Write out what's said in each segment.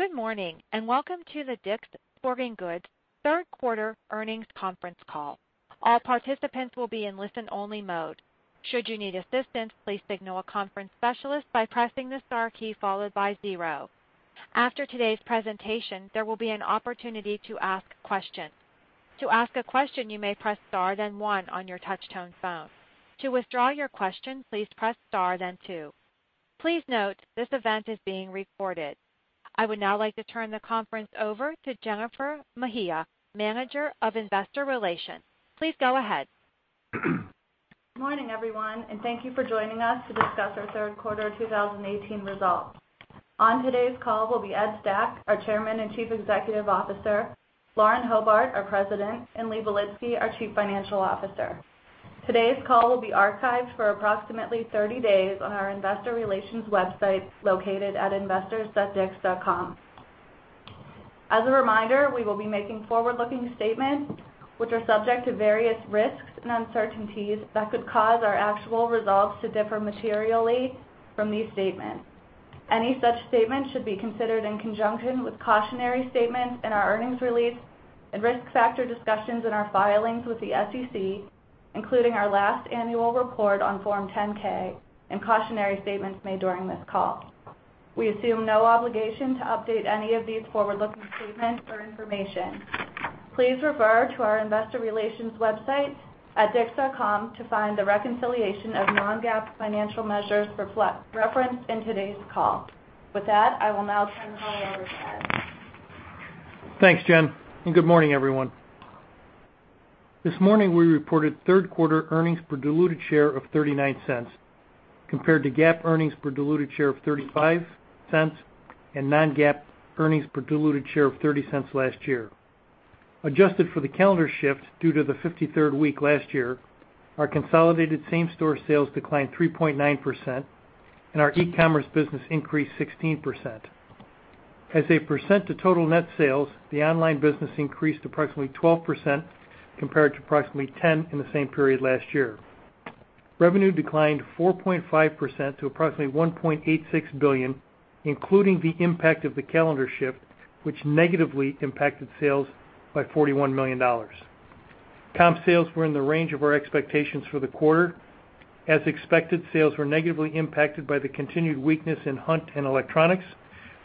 Good morning, and welcome to the DICK’S Sporting Goods third quarter earnings conference call. All participants will be in listen-only mode. Should you need assistance, please signal a conference specialist by pressing the star key followed by zero. After today's presentation, there will be an opportunity to ask questions. To ask a question, you may press star then one on your touch-tone phone. To withdraw your question, please press star then two. Please note, this event is being recorded. I would now like to turn the conference over to Jennifer Mejia, Manager of Investor Relations. Please go ahead. Morning, everyone, thank you for joining us to discuss our third quarter 2018 results. On today's call will be Ed Stack, our Chairman and Chief Executive Officer, Lauren Hobart, our President, and Lee Belitsky, our Chief Financial Officer. Today's call will be archived for approximately 30 days on our investor relations website, located at investors.dicks.com. As a reminder, we will be making forward-looking statements, which are subject to various risks and uncertainties that could cause our actual results to differ materially from these statements. Any such statements should be considered in conjunction with cautionary statements in our earnings release and risk factor discussions in our filings with the SEC, including our last annual report on Form 10-K and cautionary statements made during this call. We assume no obligation to update any of these forward-looking statements or information. Please refer to our investor relations website at dicks.com to find the reconciliation of non-GAAP financial measures referenced in today's call. With that, I will now turn the call over to Ed. Thanks, Jen, good morning, everyone. This morning, we reported third-quarter earnings per diluted share of $0.39, compared to GAAP earnings per diluted share of $0.35 and non-GAAP earnings per diluted share of $0.30 last year. Adjusted for the calendar shift due to the 53rd week last year, our consolidated same-store sales declined 3.9%, our e-commerce business increased 16%. As a percent of total net sales, the online business increased approximately 12%, compared to approximately 10% in the same period last year. Revenue declined 4.5% to approximately $1.86 billion, including the impact of the calendar shift, which negatively impacted sales by $41 million. Comp sales were in the range of our expectations for the quarter. As expected, sales were negatively impacted by the continued weakness in hunt and electronics,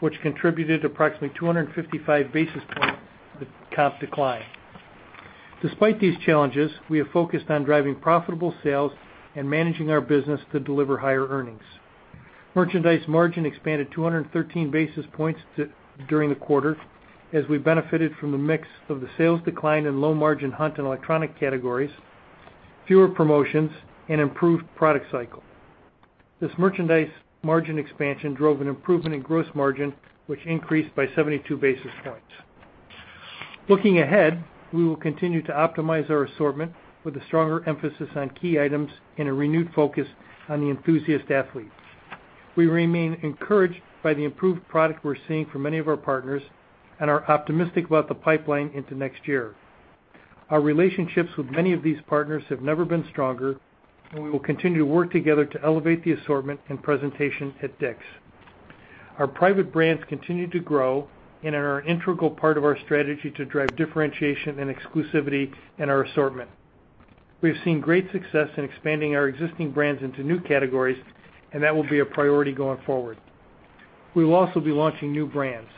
which contributed approximately 255 basis points to comp decline. Despite these challenges, we have focused on driving profitable sales and managing our business to deliver higher earnings. Merchandise margin expanded 213 basis points during the quarter as we benefited from the mix of the sales decline in low-margin hunt and electronic categories, fewer promotions, and improved product cycle. This merchandise margin expansion drove an improvement in gross margin, which increased by 72 basis points. Looking ahead, we will continue to optimize our assortment with a stronger emphasis on key items and a renewed focus on the enthusiast athlete. We remain encouraged by the improved product we're seeing from many of our partners and are optimistic about the pipeline into next year. Our relationships with many of these partners have never been stronger, and we will continue to work together to elevate the assortment and presentation at DICK'S. Our private brands continue to grow and are an integral part of our strategy to drive differentiation and exclusivity in our assortment. We have seen great success in expanding our existing brands into new categories, and that will be a priority going forward. We will also be launching new brands.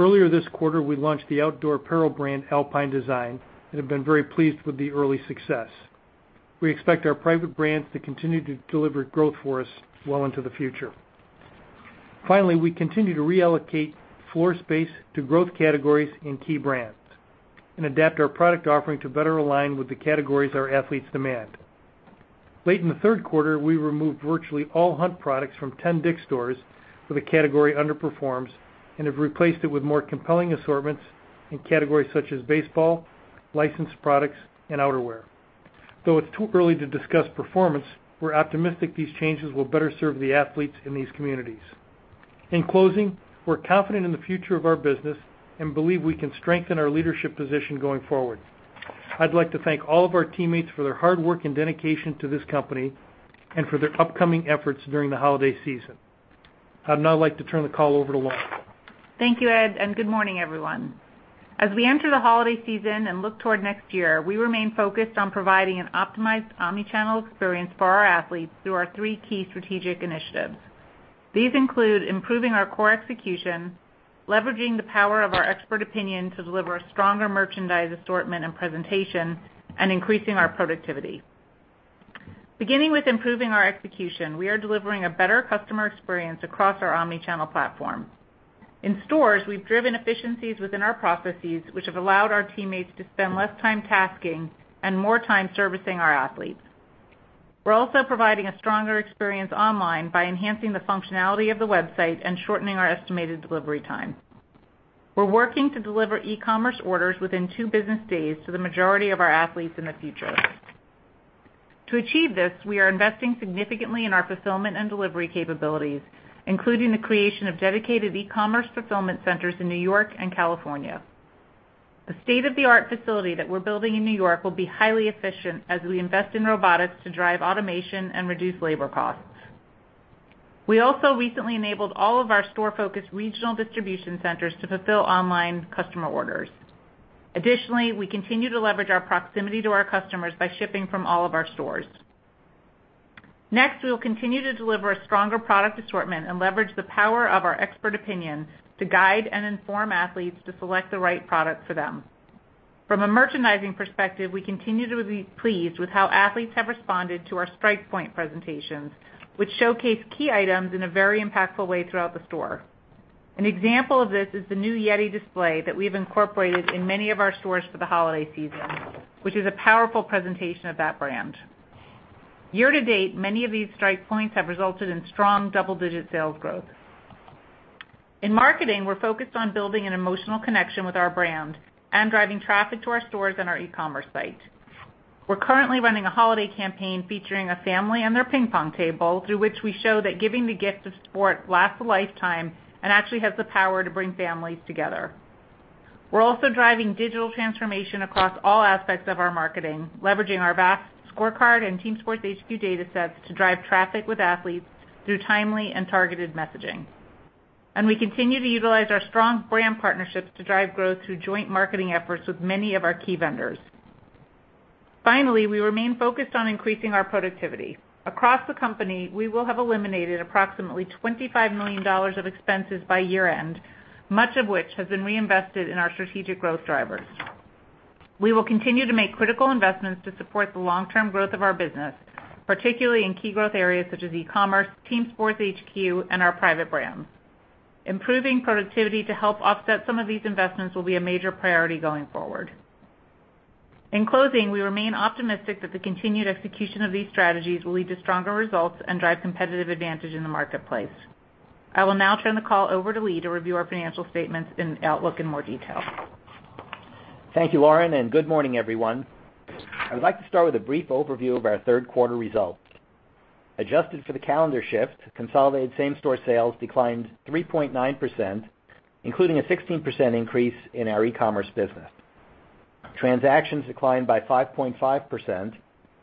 Earlier this quarter, we launched the outdoor apparel brand Alpine Design and have been very pleased with the early success. We expect our private brands to continue to deliver growth for us well into the future. Finally, we continue to reallocate floor space to growth categories and key brands and adapt our product offering to better align with the categories our athletes demand. Late in the third quarter, we removed virtually all hunt products from 10 DICK'S stores where the category underperforms and have replaced it with more compelling assortments in categories such as baseball, licensed products, and outerwear. Though it's too early to discuss performance, we're optimistic these changes will better serve the athletes in these communities. In closing, we're confident in the future of our business and believe we can strengthen our leadership position going forward. I'd like to thank all of our teammates for their hard work and dedication to this company and for their upcoming efforts during the holiday season. I'd now like to turn the call over to Lauren. Thank you, Ed, and good morning, everyone. As we enter the holiday season and look toward next year, we remain focused on providing an optimized omnichannel experience for our athletes through our three key strategic initiatives. These include improving our core execution, leveraging the power of our expert opinion to deliver a stronger merchandise assortment and presentation, and increasing our productivity. Beginning with improving our execution, we are delivering a better customer experience across our omnichannel platform. In stores, we've driven efficiencies within our processes, which have allowed our teammates to spend less time tasking and more time servicing our athletes. We're also providing a stronger experience online by enhancing the functionality of the website and shortening our estimated delivery time. We're working to deliver e-commerce orders within two business days to the majority of our athletes in the future. To achieve this, we are investing significantly in our fulfillment and delivery capabilities, including the creation of dedicated e-commerce fulfillment centers in New York and California. The state-of-the-art facility that we're building in New York will be highly efficient as we invest in robotics to drive automation and reduce labor costs. We also recently enabled all of our store-focused regional distribution centers to fulfill online customer orders. We continue to leverage our proximity to our customers by shipping from all of our stores. We will continue to deliver a stronger product assortment and leverage the power of our expert opinion to guide and inform athletes to select the right product for them. From a merchandising perspective, we continue to be pleased with how athletes have responded to our strike point presentations, which showcase key items in a very impactful way throughout the store. An example of this is the new YETI display that we've incorporated in many of our stores for the holiday season, which is a powerful presentation of that brand. Year to date, many of these strike points have resulted in strong double-digit sales growth. In marketing, we're focused on building an emotional connection with our brand and driving traffic to our stores and our e-commerce site. We're currently running a holiday campaign featuring a family and their ping pong table through which we show that giving the gift of sport lasts a lifetime and actually has the power to bring families together. We're also driving digital transformation across all aspects of our marketing, leveraging our vast ScoreCard and Team Sports HQ data sets to drive traffic with athletes through timely and targeted messaging. We continue to utilize our strong brand partnerships to drive growth through joint marketing efforts with many of our key vendors. We remain focused on increasing our productivity. Across the company, we will have eliminated approximately $25 million of expenses by year-end, much of which has been reinvested in our strategic growth drivers. We will continue to make critical investments to support the long-term growth of our business, particularly in key growth areas such as e-commerce, Team Sports HQ, and our private brands. Improving productivity to help offset some of these investments will be a major priority going forward. In closing, we remain optimistic that the continued execution of these strategies will lead to stronger results and drive competitive advantage in the marketplace. I will now turn the call over to Lee to review our financial statements and outlook in more detail. Thank you, Lauren, and good morning, everyone. I'd like to start with a brief overview of our third-quarter results. Adjusted for the calendar shift, consolidated same-store sales declined 3.9%, including a 16% increase in our e-commerce business. Transactions declined by 5.5%,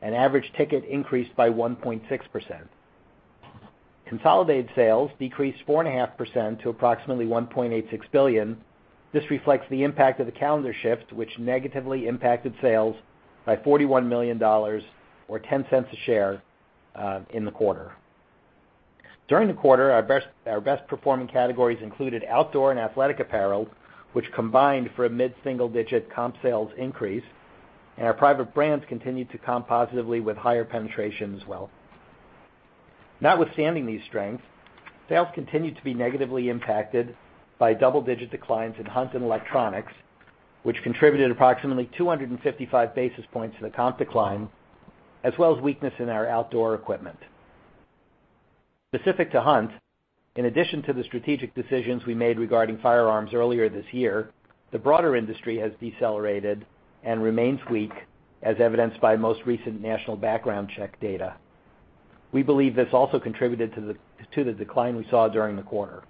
and average ticket increased by 1.6%. Consolidated sales decreased 4.5% to approximately $1.86 billion. This reflects the impact of the calendar shift, which negatively impacted sales by $41 million, or $0.10 a share, in the quarter. During the quarter, our best-performing categories included outdoor and athletic apparel, which combined for a mid-single-digit comp sales increase, and our private brands continued to comp positively with higher penetration as well. Notwithstanding these strengths, sales continued to be negatively impacted by double-digit declines in Hunt and electronics, which contributed approximately 255 basis points to the comp decline, as well as weakness in our outdoor equipment. Specific to Hunt, in addition to the strategic decisions we made regarding firearms earlier this year, the broader industry has decelerated and remains weak, as evidenced by most recent national background check data. We believe this also contributed to the decline we saw during the quarter.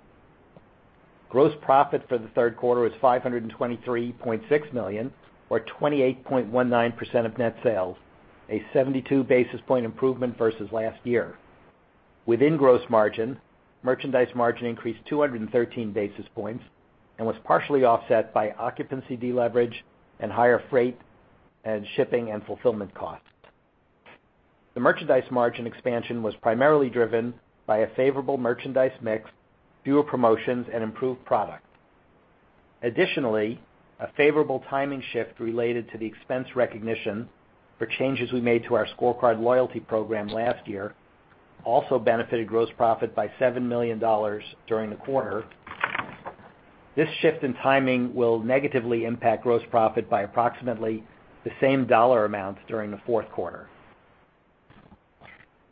Gross profit for the third quarter was $523.6 million or 28.19% of net sales, a 72-basis point improvement versus last year. Within gross margin, merchandise margin increased 213 basis points and was partially offset by occupancy deleverage and higher freight and shipping and fulfillment costs. The merchandise margin expansion was primarily driven by a favorable merchandise mix, fewer promotions, and improved product. Additionally, a favorable timing shift related to the expense recognition for changes we made to our ScoreCard loyalty program last year also benefited gross profit by $7 million during the quarter. This shift in timing will negatively impact gross profit by approximately the same dollar amount during the fourth quarter.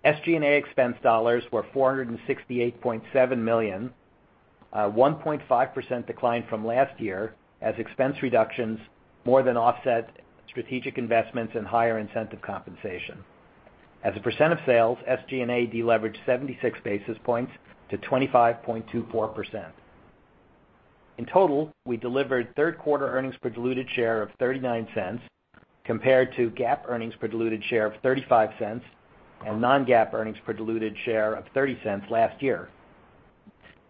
SG&A expense dollars were $468.7 million, a 1.5% decline from last year as expense reductions more than offset strategic investments and higher incentive compensation. As a percent of sales, SG&A deleveraged 76 basis points to 25.24%. In total, we delivered third-quarter earnings per diluted share of $0.39 compared to GAAP earnings per diluted share of $0.35 and non-GAAP earnings per diluted share of $0.30 last year.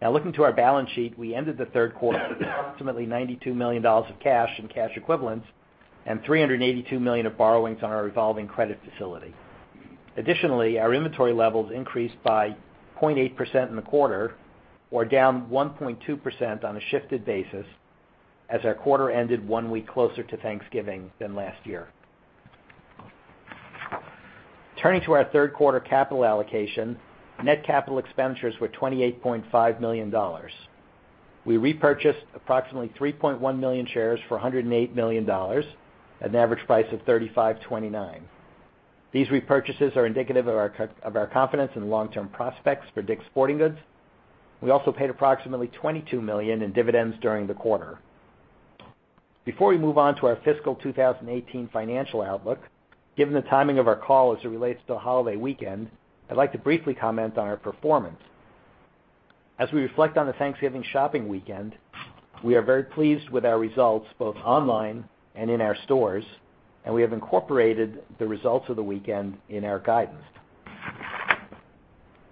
Now looking to our balance sheet, we ended the third quarter with approximately $92 million of cash and cash equivalents and $382 million of borrowings on our revolving credit facility. Additionally, our inventory levels increased by 0.8% in the quarter or down 1.2% on a shifted basis as our quarter ended one week closer to Thanksgiving than last year. Turning to our third-quarter capital allocation, net CapEx were $28.5 million. We repurchased approximately 3.1 million shares for $108 million at an average price of $35.29. These repurchases are indicative of our confidence in the long-term prospects for DICK'S Sporting Goods. We also paid approximately $22 million in dividends during the quarter. Before we move on to our fiscal 2018 financial outlook, given the timing of our call as it relates to the holiday weekend, I'd like to briefly comment on our performance. As we reflect on the Thanksgiving shopping weekend, we are very pleased with our results, both online and in our stores, and we have incorporated the results of the weekend in our guidance.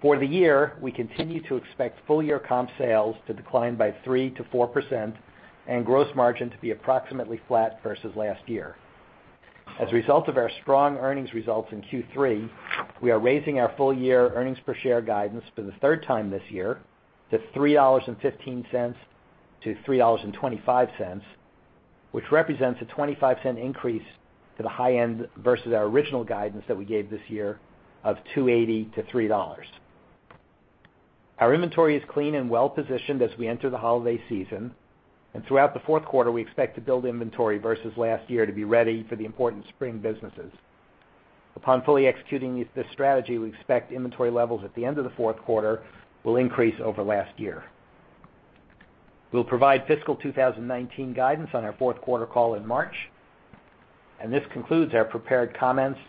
For the year, we continue to expect full-year comp sales to decline by 3%-4% and gross margin to be approximately flat versus last year. As a result of our strong earnings results in Q3, we are raising our full-year earnings per share guidance for the third time this year to $3.15-$3.25, which represents a $0.25 increase to the high end versus our original guidance that we gave this year of $2.80-$3. Our inventory is clean and well-positioned as we enter the holiday season. Throughout the fourth quarter, we expect to build inventory versus last year to be ready for the important spring businesses. Upon fully executing this strategy, we expect inventory levels at the end of the fourth quarter will increase over last year. We'll provide fiscal 2019 guidance on our fourth quarter call in March. This concludes our prepared comments.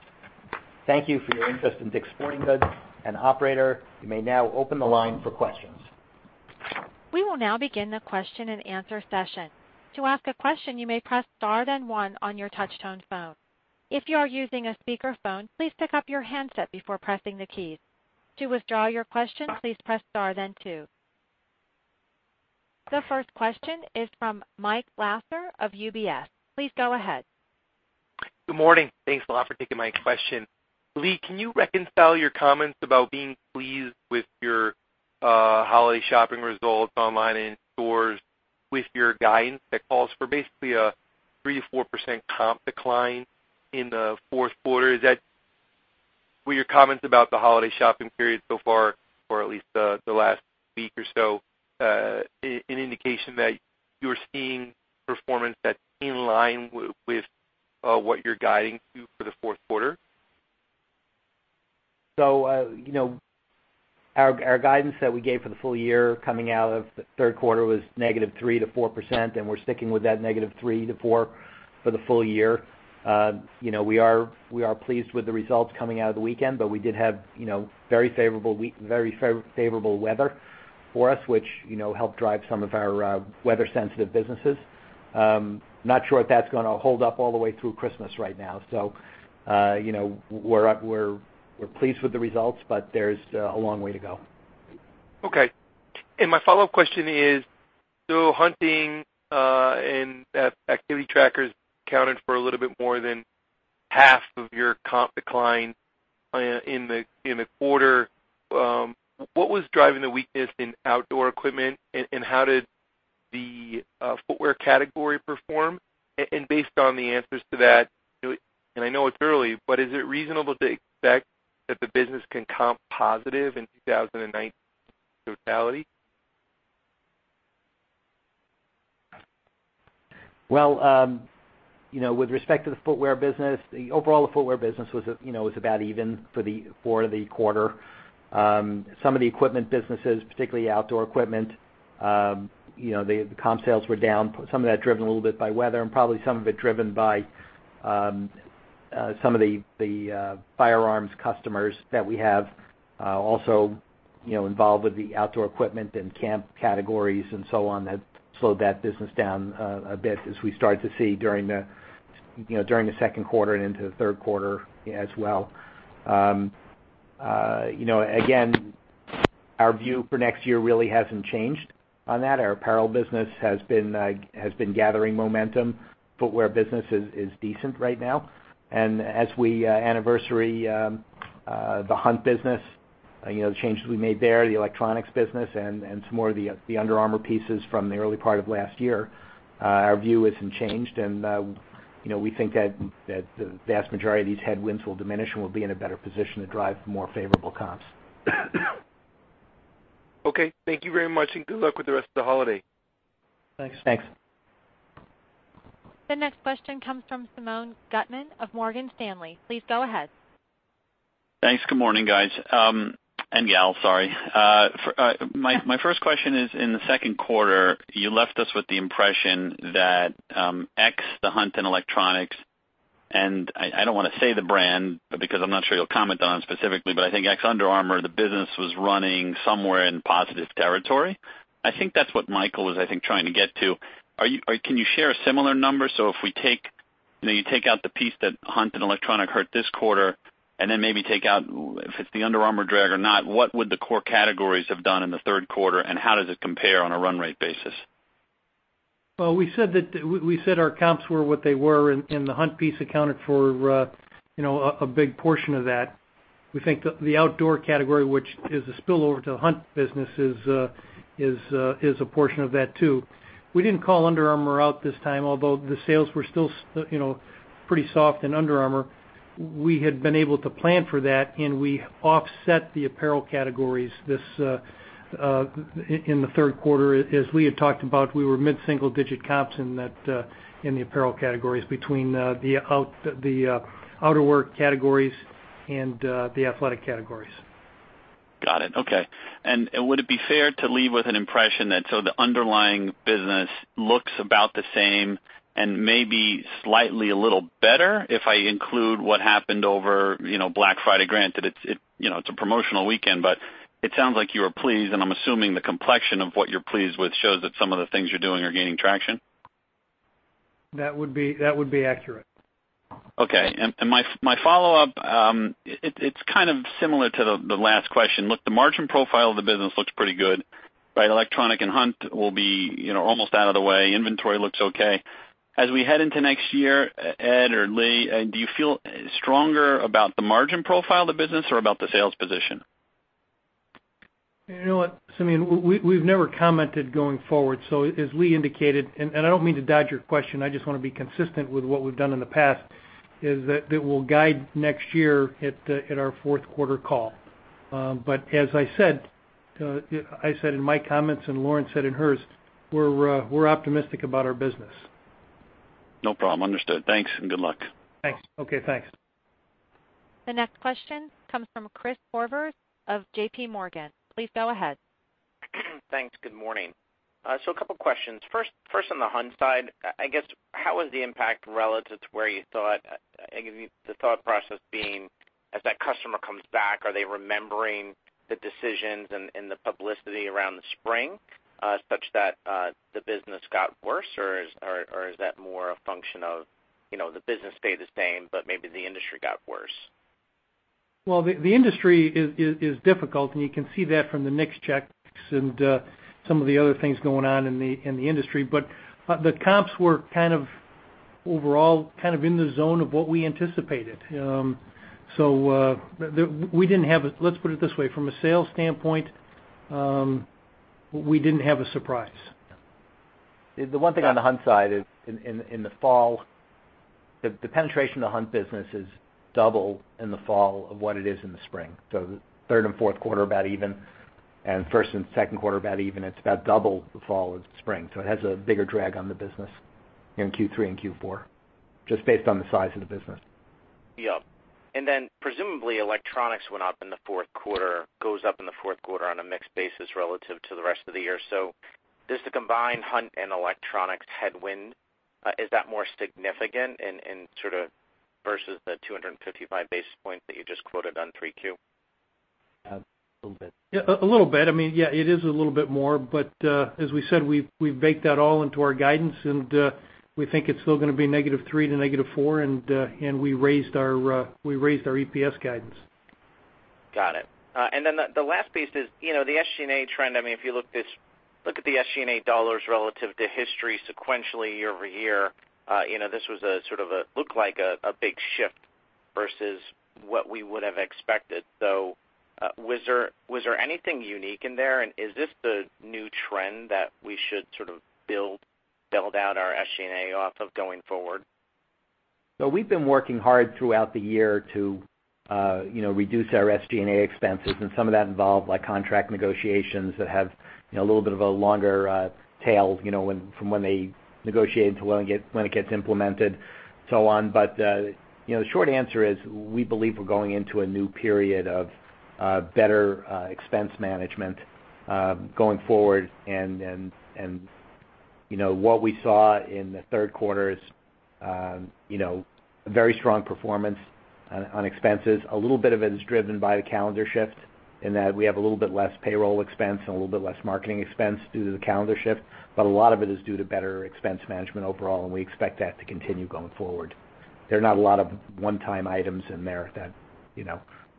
Thank you for your interest in DICK'S Sporting Goods. Operator, you may now open the line for questions. We will now begin the question and answer session. To ask a question, you may press star then one on your touch-tone phone. If you are using a speakerphone, please pick up your handset before pressing the keys. To withdraw your question, please press star then two. The first question is from Michael Lasser of UBS. Please go ahead. Good morning. Thanks a lot for taking my question. Lee, can you reconcile your comments about being pleased with your holiday shopping results online and in stores with your guidance that calls for basically a 3%-4% comp decline in the fourth quarter? Were your comments about the holiday shopping period so far, or at least the last week or so, an indication that you're seeing performance that's in line with what you're guiding to for the fourth quarter? Our guidance that we gave for the full year coming out of the third quarter was -3%-4%, We're sticking with that -3%-4% for the full year. We are pleased with the results coming out of the weekend, but we did have very favorable weather for us, which helped drive some of our weather-sensitive businesses. Not sure if that's going to hold up all the way through Christmas right now. We're pleased with the results, but there's a long way to go. My follow-up question is, hunting and activity trackers accounted for a little bit more than half of your comp decline in the quarter. What was driving the weakness in outdoor equipment, and how did the footwear category perform? Based on the answers to that, and I know it's early, but is it reasonable to expect that the business can comp positive in 2019 in totality? Well, with respect to the footwear business, overall, the footwear business was about even for the quarter. Some of the equipment businesses, particularly outdoor equipment, the comp sales were down. Some of that driven a little bit by weather and probably some of it driven by some of the firearms customers that we have also involved with the outdoor equipment and camp categories and so on, that slowed that business down a bit as we started to see during the second quarter and into the third quarter as well. Again, our view for next year really hasn't changed on that. Our apparel business has been gathering momentum. Footwear business is decent right now. As we anniversary the hunt business, the changes we made there, the electronics business and some more of the Under Armour pieces from the early part of last year, our view hasn't changed. We think that the vast majority of these headwinds will diminish, and we'll be in a better position to drive more favorable comps. Okay. Thank you very much, and good luck with the rest of the holiday. Thanks. Thanks. The next question comes from Simeon Gutman of Morgan Stanley. Please go ahead. Thanks. Good morning, guys. And gal, sorry. My first question is, in the second quarter, you left us with the impression that X, the hunt and electronics, and I don't want to say the brand because I'm not sure you'll comment on it specifically, but I think X, Under Armour, the business was running somewhere in positive territory. I think that's what Michael is trying to get to. Can you share a similar number? If you take out the piece that hunt and electronic hurt this quarter and then maybe take out if it's the Under Armour drag or not, what would the core categories have done in the third quarter and how does it compare on a run rate basis? Well, we said our comps were what they were, the hunt piece accounted for a big portion of that. We think the outdoor category, which is a spillover to the hunt business, is a portion of that, too. We didn't call Under Armour out this time, although the sales were still pretty soft in Under Armour. We had been able to plan for that, and we offset the apparel categories in the third quarter. As Lee had talked about, we were mid-single digit comps in the apparel categories between the outerwear categories and the athletic categories. Got it. Okay. Would it be fair to leave with an impression that the underlying business looks about the same and maybe slightly a little better if I include what happened over Black Friday? Granted, it's a promotional weekend, but it sounds like you were pleased, and I'm assuming the complexion of what you're pleased with shows that some of the things you're doing are gaining traction. That would be accurate. Okay. My follow-up, it's kind of similar to the last question. Look, the margin profile of the business looks pretty good, right? Electronic and Hunt will be almost out of the way. Inventory looks okay. As we head into next year, Ed or Lee, do you feel stronger about the margin profile of the business or about the sales position? You know what, Simeon? We've never commented going forward. As Lee indicated, and I don't mean to dodge your question, I just want to be consistent with what we've done in the past, is that we'll guide next year at our fourth quarter call. As I said in my comments, and Lauren said in hers, we're optimistic about our business. No problem. Understood. Thanks and good luck. Thanks. Okay. Thanks. The next question comes from Chris Horvers of JPMorgan. Please go ahead. Thanks. Good morning. A couple questions. First, on the Hunt side, I guess, how was the impact relative to where you thought? I guess the thought process being, as that customer comes back, are they remembering the decisions and the publicity around the spring such that the business got worse? Is that more a function of the business stayed the same, but maybe the industry got worse? Well, the industry is difficult, and you can see that from the NICS checks and some of the other things going on in the industry. The comps were kind of overall in the zone of what we anticipated. Let's put it this way, from a sales standpoint, we didn't have a surprise. The one thing on the Hunt side is in the fall, the penetration of the Hunt business is double in the fall of what it is in the spring. Third and fourth quarter about even, and first and second quarter about even. It's about double the fall of the spring. It has a bigger drag on the business in Q3 and Q4, just based on the size of the business. Then presumably, electronics went up in the fourth quarter, goes up in the fourth quarter on a mixed basis relative to the rest of the year. Does the combined Hunt and electronics headwind, is that more significant in sort of versus the 255 basis points that you just quoted on 3Q? A little bit. A little bit. It is a little bit more, but as we said, we've baked that all into our guidance, and we think it's still going to be negative three to negative four, and we raised our EPS guidance. Got it. The last piece is the SG&A trend. If you look at the SG&A dollars relative to history sequentially year-over-year, this sort of looked like a big shift versus what we would have expected. Was there anything unique in there, and is this the new trend that we should sort of build out our SG&A off of going forward? We've been working hard throughout the year to reduce our SG&A expenses, and some of that involved contract negotiations that have a little bit of a longer tail from when they negotiate to when it gets implemented, so on. The short answer is, we believe we're going into a new period of better expense management going forward. What we saw in the third quarter is a very strong performance on expenses. A little bit of it is driven by the calendar shift in that we have a little bit less payroll expense and a little bit less marketing expense due to the calendar shift. A lot of it is due to better expense management overall, and we expect that to continue going forward. There are not a lot of one-time items in there that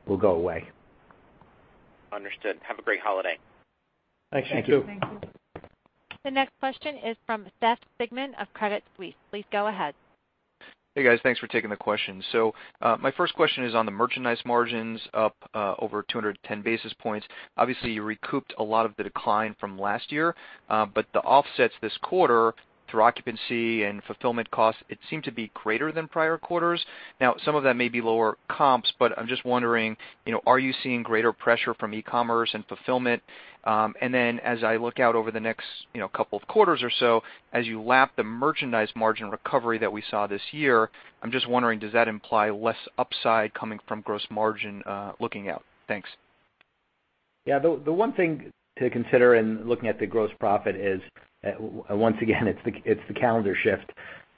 will go away. Understood. Have a great holiday. Thanks. Thank you. The next question is from Seth Sigman of Credit Suisse. Please go ahead. Hey, guys. Thanks for taking the question. My first question is on the merchandise margins up over 210 basis points. Obviously, you recouped a lot of the decline from last year. The offsets this quarter through occupancy and fulfillment costs, it seemed to be greater than prior quarters. Now, some of that may be lower comps, but I'm just wondering, are you seeing greater pressure from e-commerce and fulfillment? As I look out over the next couple of quarters or so, as you lap the merchandise margin recovery that we saw this year, I'm just wondering, does that imply less upside coming from gross margin looking out? Thanks. Yeah. The one thing to consider in looking at the gross profit is, once again, it's the calendar shift.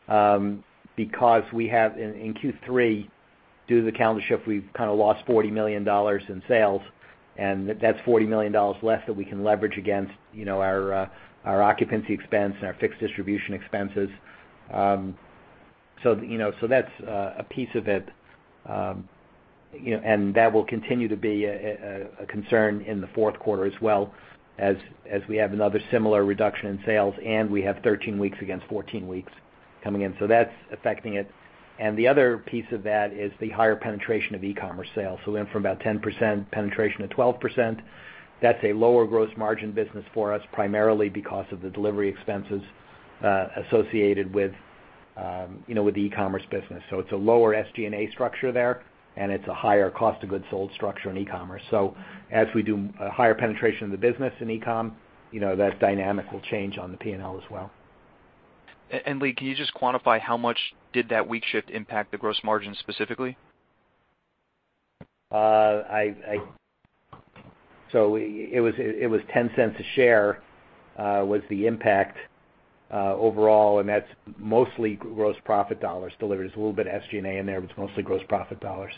We have in Q3, due to the calendar shift, we've kind of lost $40 million in sales, and that's $40 million less that we can leverage against our occupancy expense and our fixed distribution expenses. That's a piece of it, and that will continue to be a concern in the fourth quarter as well as we have another similar reduction in sales, and we have 13 weeks against 14 weeks coming in. That's affecting it. The other piece of that is the higher penetration of e-commerce sales. We went from about 10% penetration to 12%. That's a lower gross margin business for us, primarily because of the delivery expenses associated with the e-commerce business. It's a lower SG&A structure there, and it's a higher cost of goods sold structure in e-commerce. As we do a higher penetration in the business in e-com, that dynamic will change on the P&L as well. Lee, can you just quantify how much did that week shift impact the gross margin specifically? It was $0.10 a share was the impact overall, and that's mostly gross profit dollars delivered. There's a little bit of SG&A in there, but it's mostly gross profit dollars.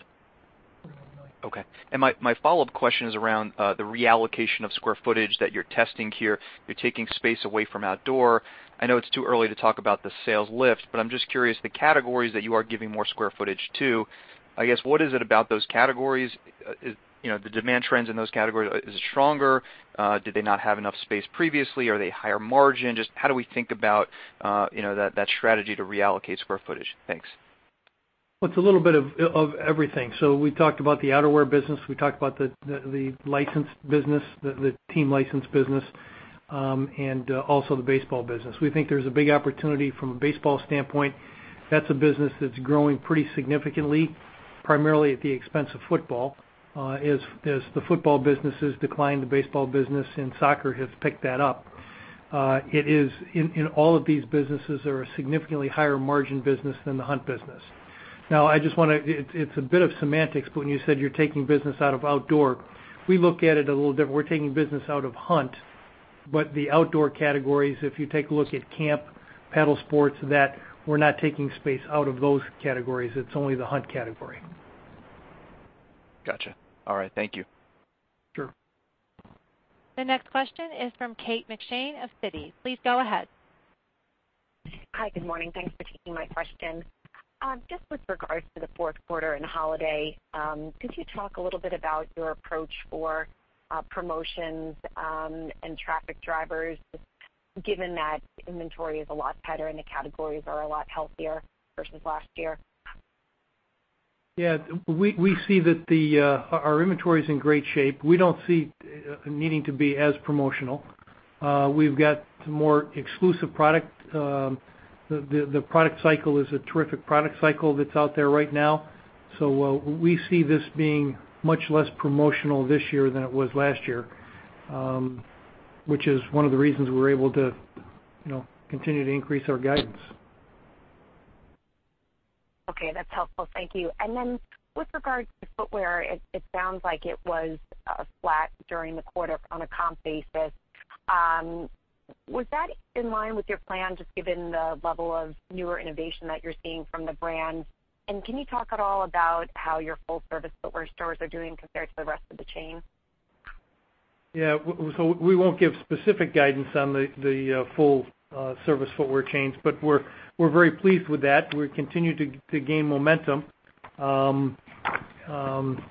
Okay. My follow-up question is around the reallocation of square footage that you're testing here. You're taking space away from outdoor. I know it's too early to talk about the sales lift, but I'm just curious, the categories that you are giving more square footage to, I guess, what is it about those categories? The demand trends in those categories, is it stronger? Did they not have enough space previously? Are they higher margin? Just how do we think about that strategy to reallocate square footage? Thanks. Well, it's a little bit of everything. We talked about the outerwear business, we talked about the team license business, and also the baseball business. We think there's a big opportunity from a baseball standpoint. That's a business that's growing pretty significantly, primarily at the expense of football. As the football business has declined, the baseball business and soccer have picked that up. In all of these businesses, they are a significantly higher margin business than the hunt business. Now, it's a bit of semantics, but when you said you're taking business out of outdoor, we look at it a little different. We're taking business out of hunt, but the outdoor categories, if you take a look at camp, paddle sports, we're not taking space out of those categories. It's only the hunt category. Got you. All right, thank you. Sure. The next question is from Kate McShane of Citi. Please go ahead. Hi. Good morning. Thanks for taking my question. Just with regards to the fourth quarter and holiday, could you talk a little bit about your approach for promotions and traffic drivers, given that inventory is a lot tighter and the categories are a lot healthier versus last year? Yeah. We see that our inventory is in great shape. We don't see needing to be as promotional. We've got some more exclusive product. The product cycle is a terrific product cycle that's out there right now. We see this being much less promotional this year than it was last year, which is one of the reasons we were able to continue to increase our guidance. Okay. That's helpful. Thank you. Then with regard to footwear, it sounds like it was flat during the quarter on a comp basis. Was that in line with your plan, just given the level of newer innovation that you're seeing from the brands? Can you talk at all about how your full-service footwear stores are doing compared to the rest of the chain? Yeah. We won't give specific guidance on the full-service footwear chains, but we're very pleased with that. We continue to gain momentum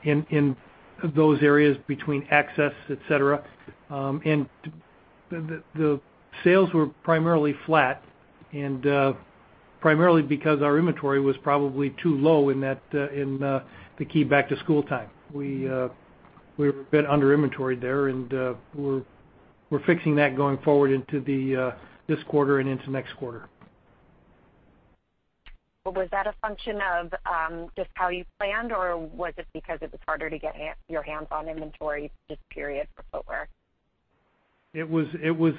in those areas between access, et cetera. The sales were primarily flat and primarily because our inventory was probably too low in the key back-to-school time. We were a bit under inventoried there, and we're fixing that going forward into this quarter and into next quarter. Well, was that a function of just how you planned, or was it because it was harder to get your hands on inventory this period for footwear? It was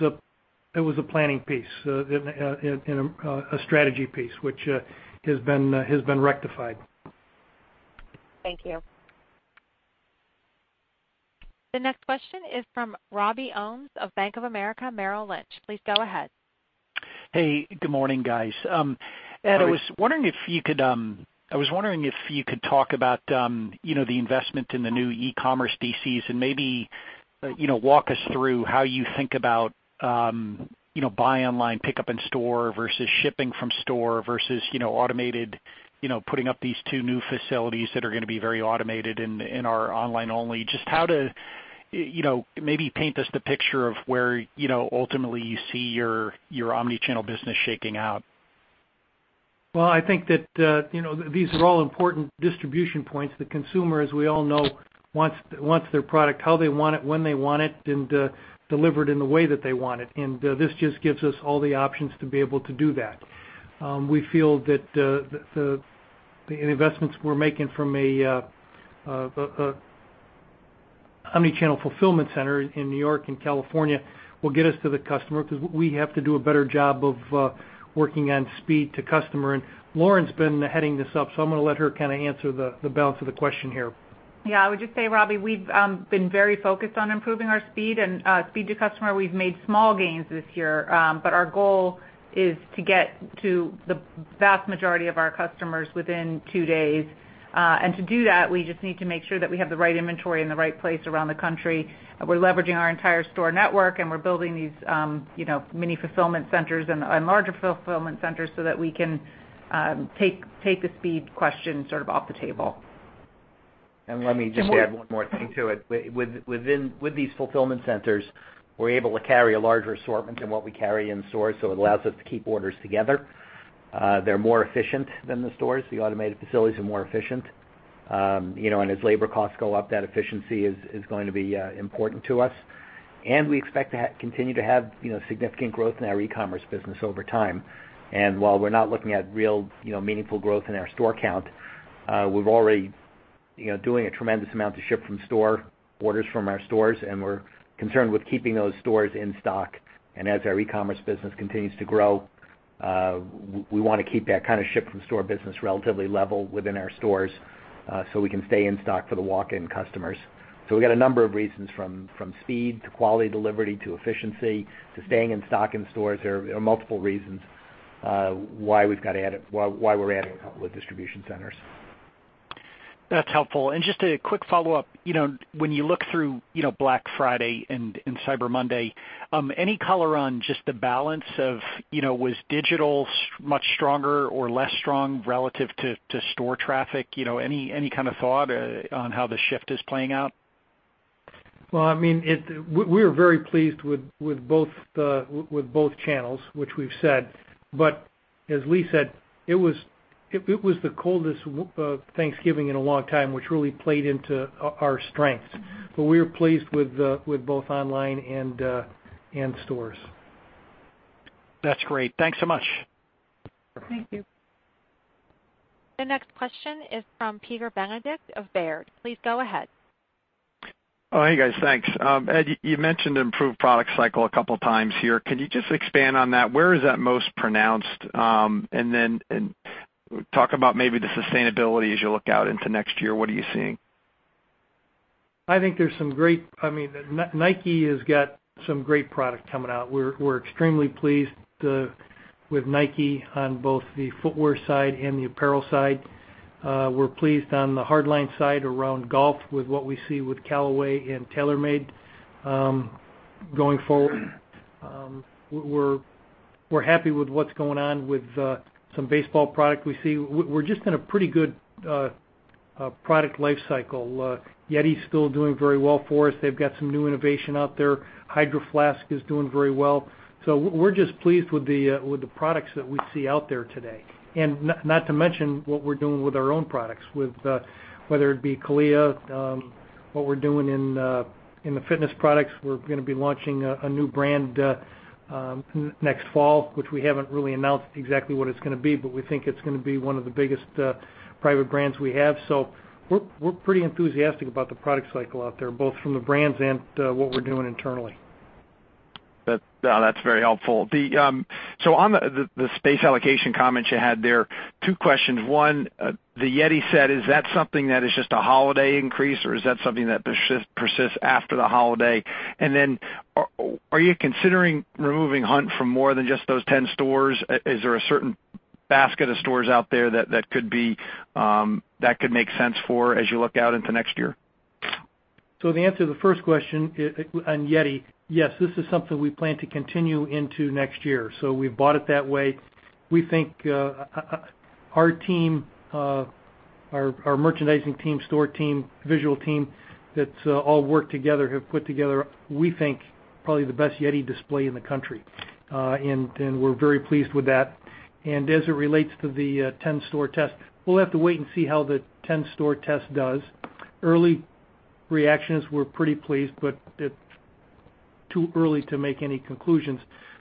a planning piece and a strategy piece, which has been rectified. Thank you. The next question is from Robert Ohmes of Bank of America Merrill Lynch. Please go ahead. Hey, good morning, guys. Hi. Ed, I was wondering if you could talk about the investment in the new e-commerce DCs and maybe walk us through how you think about buy online, pickup in store versus shipping from store versus automated, putting up these two new facilities that are going to be very automated and are online only. Just maybe paint us the picture of where ultimately you see your omni-channel business shaking out. Well, I think that these are all important distribution points. The consumer, as we all know, wants their product, how they want it, when they want it, and delivered in the way that they want it. This just gives us all the options to be able to do that. We feel that the investments we're making from an omni-channel fulfillment center in New York and California will get us to the customer because we have to do a better job of working on speed to customer. Lauren's been heading this up, so I'm going to let her answer the balance of the question here. Yeah. I would just say, Robbie, we've been very focused on improving our speed and speed to customer. We've made small gains this year. Our goal is to get to the vast majority of our customers within two days. To do that, we just need to make sure that we have the right inventory in the right place around the country. We're leveraging our entire store network, and we're building these mini fulfillment centers and larger fulfillment centers so that we can take the speed question sort of off the table. Let me just add one more thing to it. With these fulfillment centers, we're able to carry a larger assortment than what we carry in stores, so it allows us to keep orders together. They're more efficient than the stores. The automated facilities are more efficient. As labor costs go up, that efficiency is going to be important to us. We expect to continue to have significant growth in our e-commerce business over time. While we're not looking at real meaningful growth in our store count, we're already doing a tremendous amount to ship from store, orders from our stores, and we're concerned with keeping those stores in stock. As our e-commerce business continues to grow, we want to keep that ship from store business relatively level within our stores, so we can stay in stock for the walk-in customers. We've got a number of reasons from speed to quality, delivery to efficiency, to staying in stock in stores. There are multiple reasons why we're adding a couple of distribution centers. That's helpful. Just a quick follow-up. When you look through Black Friday and Cyber Monday, any color on just the balance of, was digital much stronger or less strong relative to store traffic? Any kind of thought on how the shift is playing out? Well, we were very pleased with both channels, which we've said. As Lee said, it was the coldest Thanksgiving in a long time, which really played into our strengths. We were pleased with both online and stores. That's great. Thanks so much. Thank you. The next question is from Peter Benedict of Baird. Please go ahead. I think there's some great Nike has got some great product coming out. We're extremely pleased with Nike on both the footwear side and the apparel side. We're pleased on the hard line side around golf with what we see with Callaway and TaylorMade. Going forward, we're happy with what's going on with some baseball product we see. We're just in a pretty good product life cycle. YETI's still doing very well for us. They've got some new innovation out there. Hydro Flask is doing very well. We're just pleased with the products that we see out there today. Not to mention what we're doing with our own products, whether it be CALIA, what we're doing in the fitness products. We're going to be launching a new brand That's very helpful. On the space allocation comments you had there, two questions. One, the YETI set, is that something that is just a holiday increase or is that something that persists after the holiday? Are you considering removing hunt from more than just those 10 stores? Is there a certain basket of stores out there that could make sense for as you look out into next year? The answer to the first question on YETI, yes, this is something we plan to continue into next year. We've bought it that way. We think our merchandising team, store team, visual team that all work together have put together, we think, probably the best YETI display in the country. We're very pleased with that. As it relates to the 10-store test, we'll have to wait and see how the 10-store test does. Early reactions, we're pretty pleased, but too early to make any conclusions.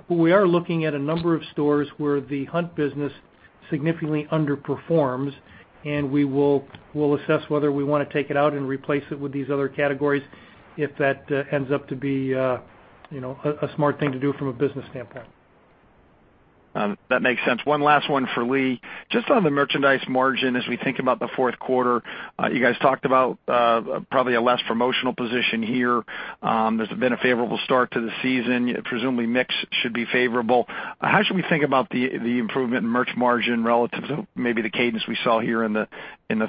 We are looking at a number of stores where the hunt business significantly underperforms, and we'll assess whether we want to take it out and replace it with these other categories if that ends up to be a smart thing to do from a business standpoint. That makes sense. One last one for Lee. On the merchandise margin, as we think about the fourth quarter, you guys talked about probably a less promotional position here. There's been a favorable start to the season. Presumably, mix should be favorable. How should we think about the improvement in merch margin relative to maybe the cadence we saw here in the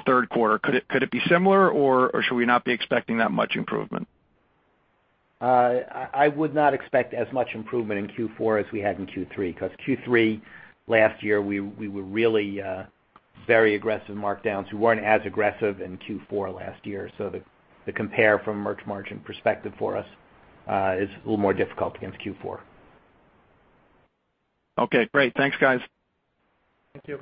third quarter? Could it be similar, or should we not be expecting that much improvement? I would not expect as much improvement in Q4 as we had in Q3. Q3 last year, we were really very aggressive markdowns. We weren't as aggressive in Q4 last year. The compare from a merch margin perspective for us is a little more difficult against Q4. Okay, great. Thanks, guys. Thank you.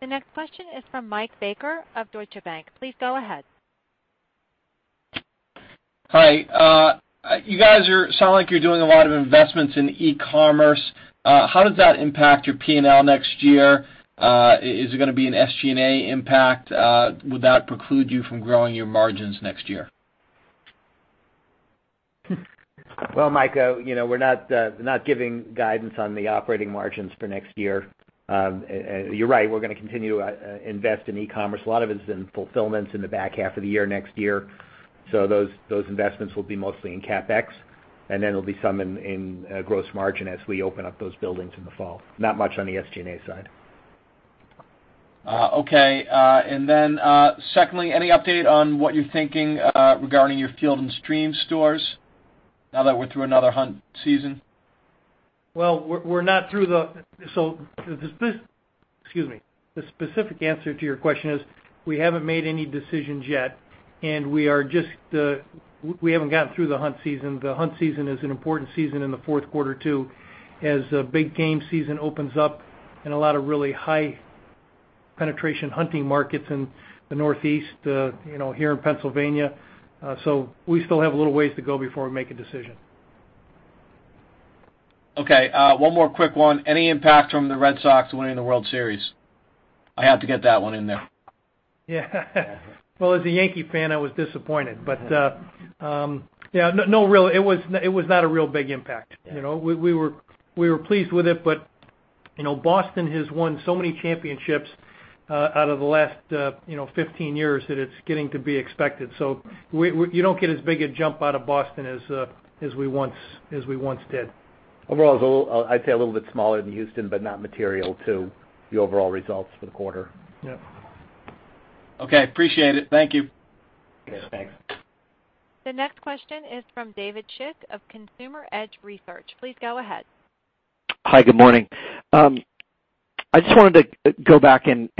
The next question is from Michael Baker of Deutsche Bank. Please go ahead. Hi. You guys sound like you're doing a lot of investments in e-commerce. How does that impact your P&L next year? Is it going to be an SG&A impact? Would that preclude you from growing your margins next year? Well, Mike, we're not giving guidance on the operating margins for next year. You're right, we're going to continue to invest in e-commerce. A lot of it is in fulfillments in the back half of the year, next year. Those investments will be mostly in CapEx, and then there'll be some in gross margin as we open up those buildings in the fall. Not much on the SG&A side. Okay. Secondly, any update on what you're thinking regarding your Field & Stream stores now that we're through another hunt season? Well, we're not through the Excuse me. The specific answer to your question is we haven't made any decisions yet, and we haven't gotten through the hunt season. The hunt season is an important season in the fourth quarter, too, as big game season opens up in a lot of really high penetration hunting markets in the Northeast, here in Pennsylvania. We still have a little ways to go before we make a decision. Okay. One more quick one. Any impact from the Red Sox winning the World Series? I have to get that one in there. Yeah. Well, as a Yankee fan, I was disappointed. No, it was not a real big impact. Yeah. We were pleased with it. Boston has won so many championships out of the last 15 years that it's getting to be expected. You don't get as big a jump out of Boston as we once did. Overall, I'd say a little bit smaller than Houston. Not material to the overall results for the quarter. Yep. Okay. Appreciate it. Thank you. Okay, thanks. The next question is from David Schick of Consumer Edge Research. Please go ahead. Hi, good morning. I just wanted to go back and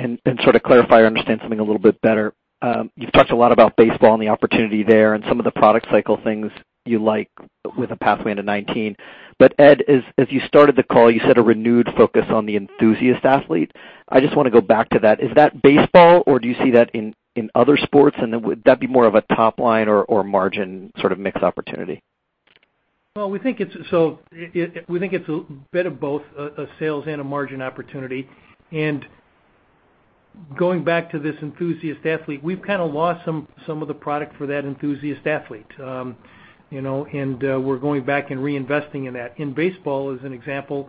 sort of clarify or understand something a little bit better. You've talked a lot about baseball and the opportunity there and some of the product cycle things you like with a pathway into 2019. Ed, as you started the call, you set a renewed focus on the enthusiast athlete. I just want to go back to that. Is that baseball, or do you see that in other sports, and would that be more of a top-line or margin sort of mix opportunity? We think it's a bit of both, a sales and a margin opportunity. Going back to this enthusiast athlete, we've kind of lost some of the product for that enthusiast athlete. We're going back and reinvesting in that. In baseball, as an example,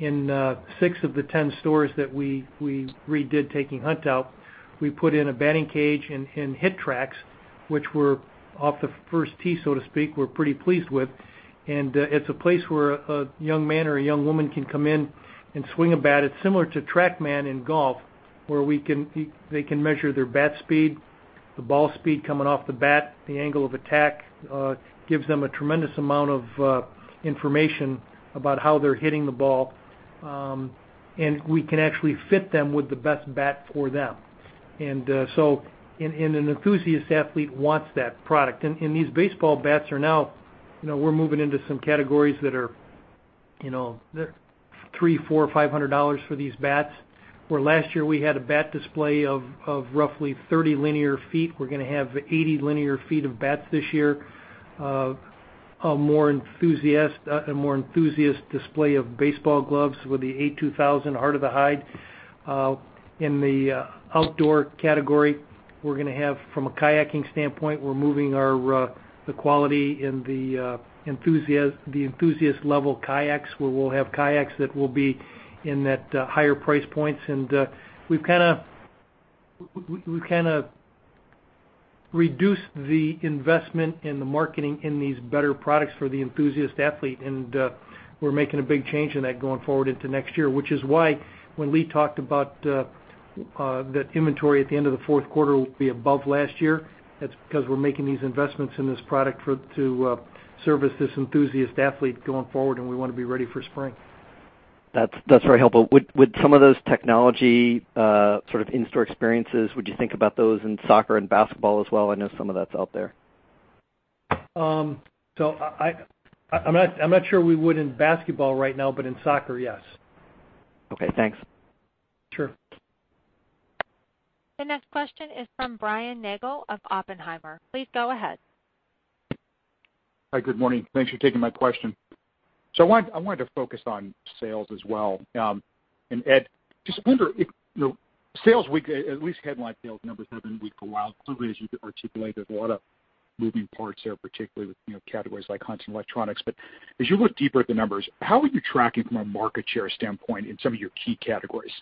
in six of the 10 stores that we redid taking hunt out, we put in a batting cage and HitTrax, which were off the first tee, so to speak, we're pretty pleased with. It's a place where a young man or a young woman can come in and swing a bat. It's similar to TrackMan in golf, where they can measure their bat speed, the ball speed coming off the bat, the angle of attack. It gives them a tremendous amount of information about how they're hitting the ball. We can actually fit them with the best bat for them. An enthusiast athlete wants that product. These baseball bats are now moving into some categories that are $300, $400, $500 for these bats. Last year we had a bat display of roughly 30 linear feet, we're going to have 80 linear feet of bats this year. A more enthusiast display of baseball gloves with the A2000 Heart of the Hide. In the outdoor category, we're going to have, from a kayaking standpoint, we're moving the quality in the enthusiast level kayaks, where we'll have kayaks that will be in that higher price points. We've kind of reduced the investment in the marketing in these better products for the enthusiast athlete, and we're making a big change in that going forward into next year, which is why when Lee talked about that inventory at the end of the fourth quarter will be above last year, that's because we're making these investments in this product to service this enthusiast athlete going forward, and we want to be ready for spring. That's very helpful. With some of those technology sort of in-store experiences, would you think about those in soccer and basketball as well? I know some of that's out there. I'm not sure we would in basketball right now, but in soccer, yes. Okay, thanks. Sure. The next question is from Brian Nagel of Oppenheimer. Please go ahead. Hi, good morning. Thanks for taking my question. I wanted to focus on sales as well. Ed, just wonder if sales, at least headline sales numbers have been weak for a while. Clearly, as you articulated, there's a lot of moving parts there, particularly with categories like hunting and electronics. As you look deeper at the numbers, how are you tracking from a market share standpoint in some of your key categories?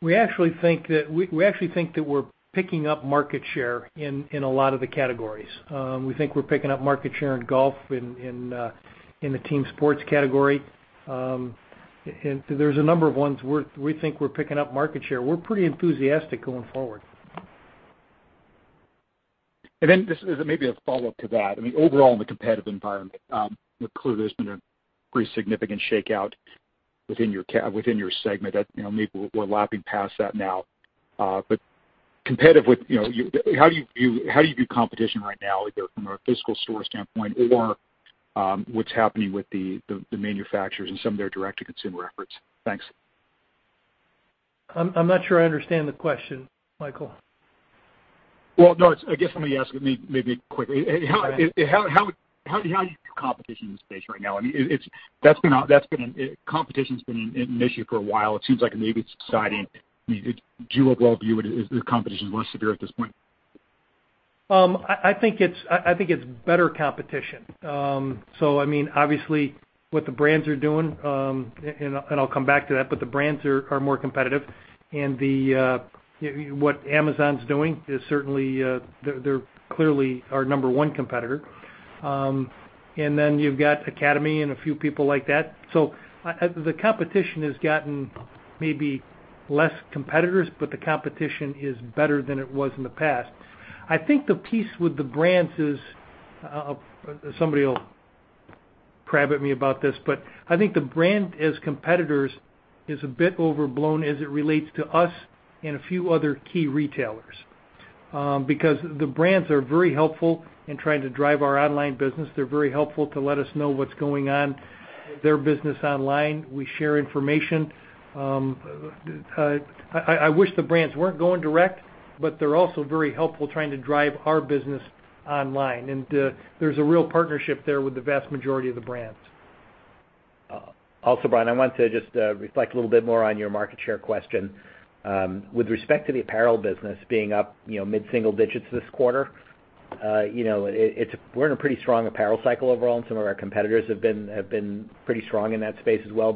We actually think that we're picking up market share in a lot of the categories. We think we're picking up market share in golf, in the team sports category. There's a number of ones we think we're picking up market share. We're pretty enthusiastic going forward. Just maybe a follow-up to that. I mean, overall in the competitive environment, clearly there's been a pretty significant shakeout within your segment. Maybe we're lapping past that now. How do you view competition right now, either from a physical store standpoint or what's happening with the manufacturers and some of their direct-to-consumer efforts? Thanks. I'm not sure I understand the question, Michael. Well, no, I guess let me ask maybe quickly. All right. How do you view competition in the space right now? Competition's been an issue for a while. It seems like maybe it's subsiding. Do you overall view the competition as less severe at this point? I think it's better competition. I mean, obviously, what the brands are doing, I'll come back to that, but the brands are more competitive. What Amazon's doing is certainly, they're clearly our number one competitor. Then you've got Academy and a few people like that. The competition has gotten maybe less competitors, but the competition is better than it was in the past. I think the piece with the brands is, somebody will crab at me about this, but I think the brand as competitors is a bit overblown as it relates to us and a few other key retailers. Because the brands are very helpful in trying to drive our online business. They're very helpful to let us know what's going on with their business online. We share information. I wish the brands weren't going direct, but they're also very helpful trying to drive our business online, and there's a real partnership there with the vast majority of the brands. Also, Brian, I wanted to just reflect a little bit more on your market share question. With respect to the apparel business being up mid-single digits this quarter We're in a pretty strong apparel cycle overall. Some of our competitors have been pretty strong in that space as well.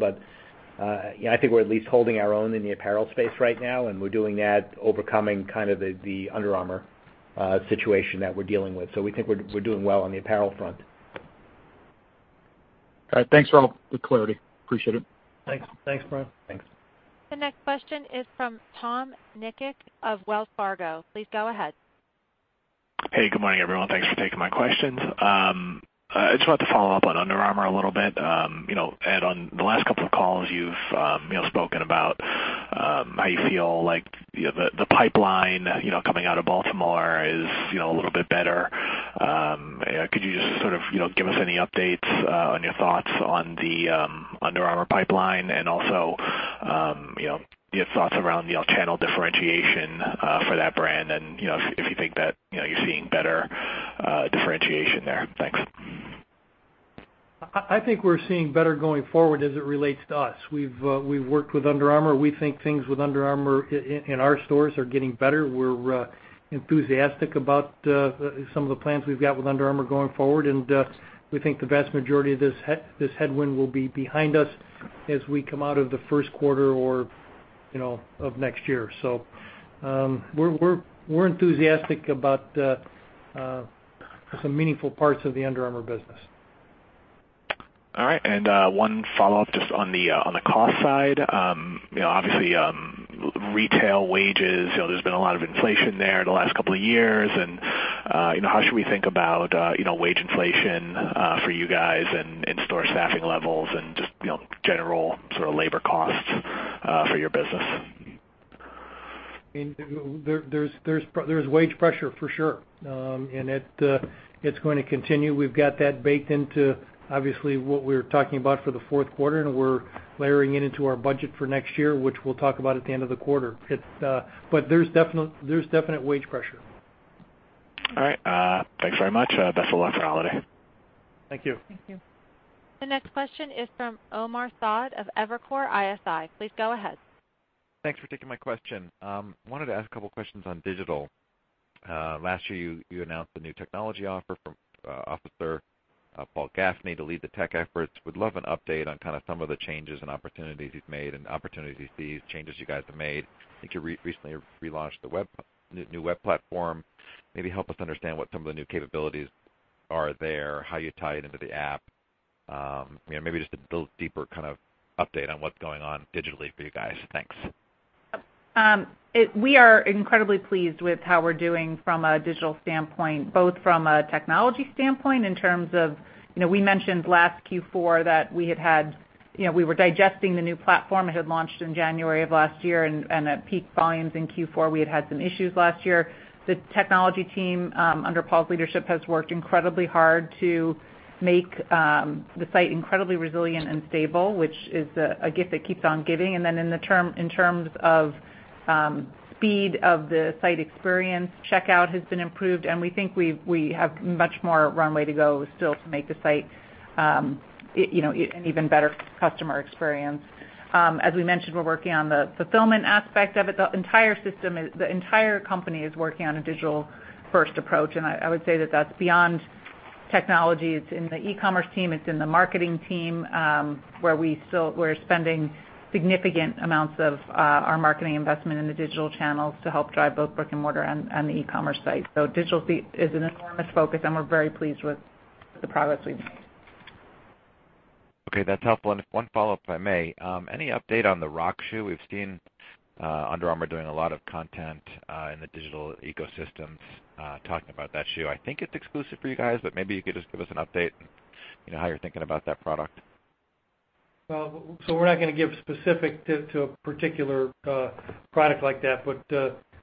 I think we're at least holding our own in the apparel space right now, and we're doing that overcoming the Under Armour situation that we're dealing with. We think we're doing well on the apparel front. All right. Thanks, Lauren, for the clarity. Appreciate it. Thanks. Thanks, Brian. Thanks. The next question is from Tom Nikic of Wells Fargo. Please go ahead. Hey, good morning, everyone. Thanks for taking my questions. I just wanted to follow up on Under Armour a little bit. Ed, on the last couple of calls you've spoken about how you feel like the pipeline coming out of Baltimore is a little bit better. Could you just give us any updates on your thoughts on the Under Armour pipeline and also your thoughts around channel differentiation for that brand and if you think that you're seeing better differentiation there. Thanks. I think we're seeing better going forward as it relates to us. We've worked with Under Armour. We think things with Under Armour in our stores are getting better. We're enthusiastic about some of the plans we've got with Under Armour going forward. We think the vast majority of this headwind will be behind us as we come out of the first quarter of next year. We're enthusiastic about some meaningful parts of the Under Armour business. All right. One follow-up just on the cost side. Obviously, retail wages, there's been a lot of inflation there in the last couple of years. How should we think about wage inflation for you guys and in-store staffing levels and just general labor costs for your business? There's wage pressure, for sure. It's going to continue. We've got that baked into, obviously, what we were talking about for the fourth quarter. We're layering it into our budget for next year, which we'll talk about at the end of the quarter. There's definite wage pressure. All right. Thanks very much. Best of luck for holiday. Thank you. Thank you. The next question is from Omar Saad of Evercore ISI. Please go ahead. Thanks for taking my question. I wanted to ask a couple questions on digital. Last year, you announced the new technology officer, Paul Gaffney, to lead the tech efforts. Would love an update on some of the changes and opportunities he's made and opportunities he sees, changes you guys have made. I think you recently relaunched the new web platform. Maybe help us understand what some of the new capabilities are there, how you tie it into the app. Maybe just a little deeper update on what's going on digitally for you guys. Thanks. We are incredibly pleased with how we're doing from a digital standpoint, both from a technology standpoint in terms of we mentioned last Q4 that we were digesting the new platform. It had launched in January of last year, and at peak volumes in Q4, we had had some issues last year. The technology team, under Paul's leadership, has worked incredibly hard to make the site incredibly resilient and stable, which is a gift that keeps on giving. Then in terms of speed of the site experience, checkout has been improved, and we think we have much more runway to go still to make the site an even better customer experience. As we mentioned, we're working on the fulfillment aspect of it. The entire company is working on a digital-first approach, and I would say that that's beyond technology. It's in the e-commerce team, it's in the marketing team, where we're spending significant amounts of our marketing investment in the digital channels to help drive both brick and mortar and the e-commerce site. Digital is an enormous focus, and we're very pleased with the progress we've made. Okay. That's helpful. Just one follow-up, if I may. Any update on Project Rock shoe? We've seen Under Armour doing a lot of content in the digital ecosystems talking about that shoe. I think it's exclusive for you guys, but maybe you could just give us an update, how you're thinking about that product. We're not going to give specific to a particular product like that.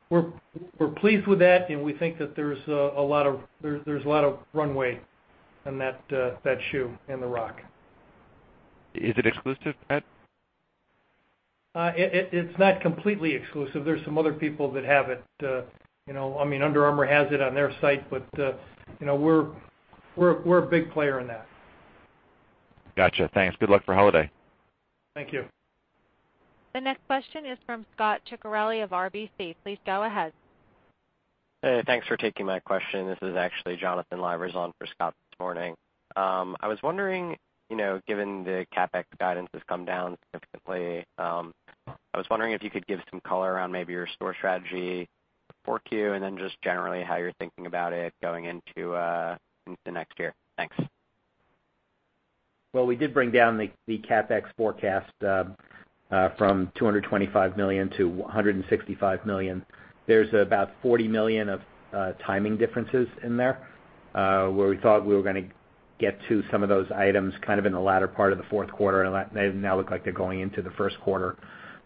We're pleased with that, and we think that there's a lot of runway in that shoe, in Project Rock. Is it exclusive, Ed? It's not completely exclusive. There's some other people that have it. Under Armour has it on their site, we're a big player in that. Got you. Thanks. Good luck for holiday. Thank you. The next question is from Scot Ciccarelli of RBC. Please go ahead. Hey, thanks for taking my question. This is actually Jonathan Lamazon on for Scot this morning. Given the CapEx guidance has come down significantly, I was wondering if you could give some color around maybe your store strategy for Q and then just generally how you're thinking about it going into next year. Thanks. Well, we did bring down the CapEx forecast from $225 million to $165 million. There's about $40 million of timing differences in there, where we thought we were going to get to some of those items in the latter part of the fourth quarter, and they now look like they're going into the first quarter,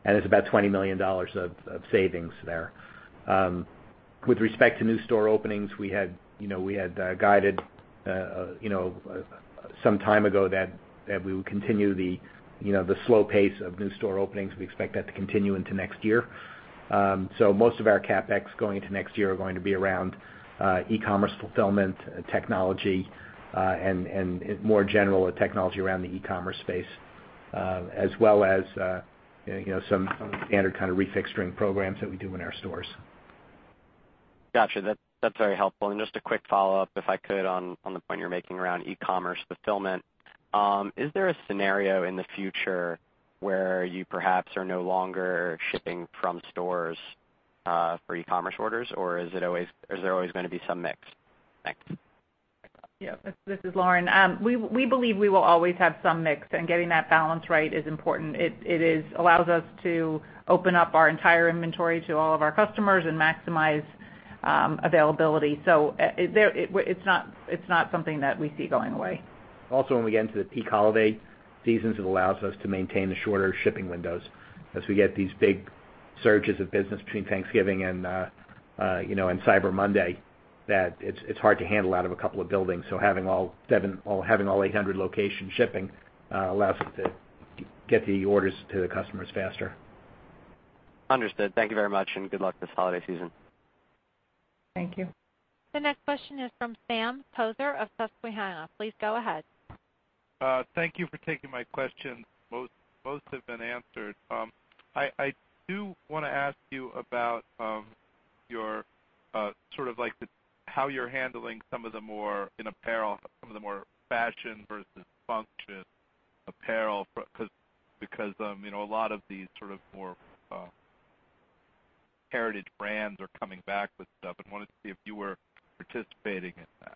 and there's about $20 million of savings there. With respect to new store openings, we had guided some time ago that we would continue the slow pace of new store openings. We expect that to continue into next year. Most of our CapEx going into next year are going to be around e-commerce fulfillment, technology, and more general technology around the e-commerce space. As well as some standard kind of refixturing programs that we do in our stores. Got you. That's very helpful. Just a quick follow-up, if I could, on the point you're making around e-commerce fulfillment. Is there a scenario in the future where you perhaps are no longer shipping from stores for e-commerce orders, or is there always going to be some mix? Thanks. Yeah. This is Lauren. We believe we will always have some mix, and getting that balance right is important. It allows us to open up our entire inventory to all of our customers and maximize availability. It's not something that we see going away. Also, when we get into the peak holiday seasons, it allows us to maintain the shorter shipping windows. As we get these big surges of business between Thanksgiving and Cyber Monday, that it's hard to handle out of a couple of buildings. Having all 800 locations shipping allows us to get the orders to the customers faster. Understood. Thank you very much, and good luck this holiday season. Thank you. The next question is from Sam Poser of Susquehanna. Please go ahead. Thank you for taking my question. Most have been answered. I do want to ask you about how you're handling some of the more, in apparel, some of the more fashion versus function apparel. A lot of these sort of more heritage brands are coming back with stuff, and wanted to see if you were participating in that.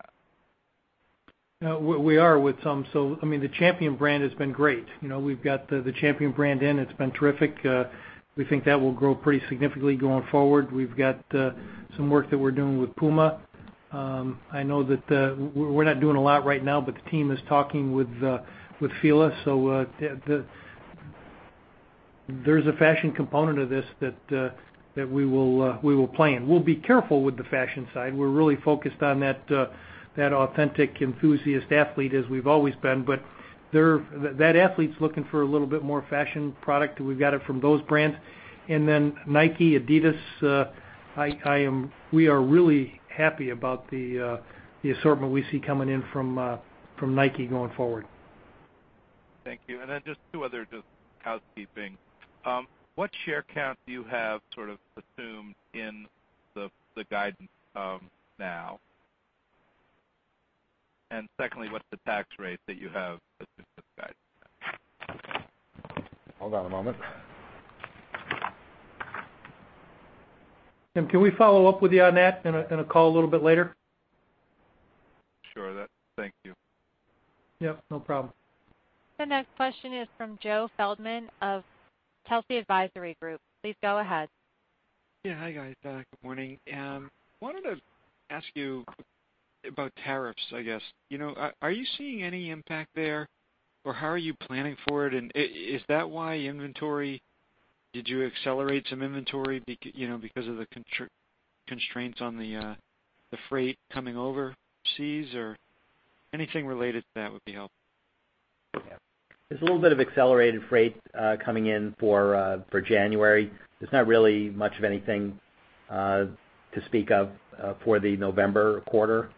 We are with some. The Champion brand has been great. We've got the Champion brand in, it's been terrific. We think that will grow pretty significantly going forward. We've got some work that we're doing with Puma. I know that we're not doing a lot right now, but the team is talking with Fila. There's a fashion component of this that we will play in. We'll be careful with the fashion side. We're really focused on that authentic enthusiast athlete, as we've always been. That athlete's looking for a little bit more fashion product, and we've got it from those brands. Nike, Adidas, we are really happy about the assortment we see coming in from Nike going forward. Thank you. Just two other just housekeeping. What share count do you have sort of assumed in the guidance now? Secondly, what's the tax rate that you have assumed with the guidance now? Hold on a moment. Sam, can we follow up with you on that in a call a little bit later? Sure. Thank you. Yep, no problem. The next question is from Joseph Feldman of Telsey Advisory Group. Please go ahead. Yeah. Hi, guys. Good morning. Wanted to ask you about tariffs, I guess. Are you seeing any impact there, or how are you planning for it? Is that why you accelerate some inventory because of the constraints on the freight coming overseas? Or anything related to that would be helpful. There's a little bit of accelerated freight coming in for January. There's not really much of anything to speak of for the November quarter.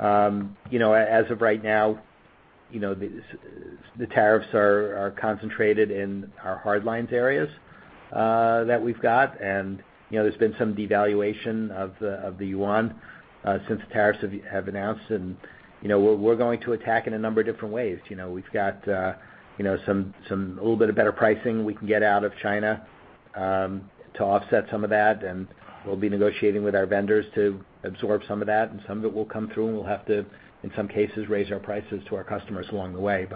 As of right now, the tariffs are concentrated in our hard lines areas that we've got. There's been some devaluation of the yuan since the tariffs have announced. We are going to attack in a number of different ways. We've got a little bit of better pricing we can get out of China to offset some of that, and we'll be negotiating with our vendors to absorb some of that. Some of it will come through, and we'll have to, in some cases, raise our prices to our customers along the way.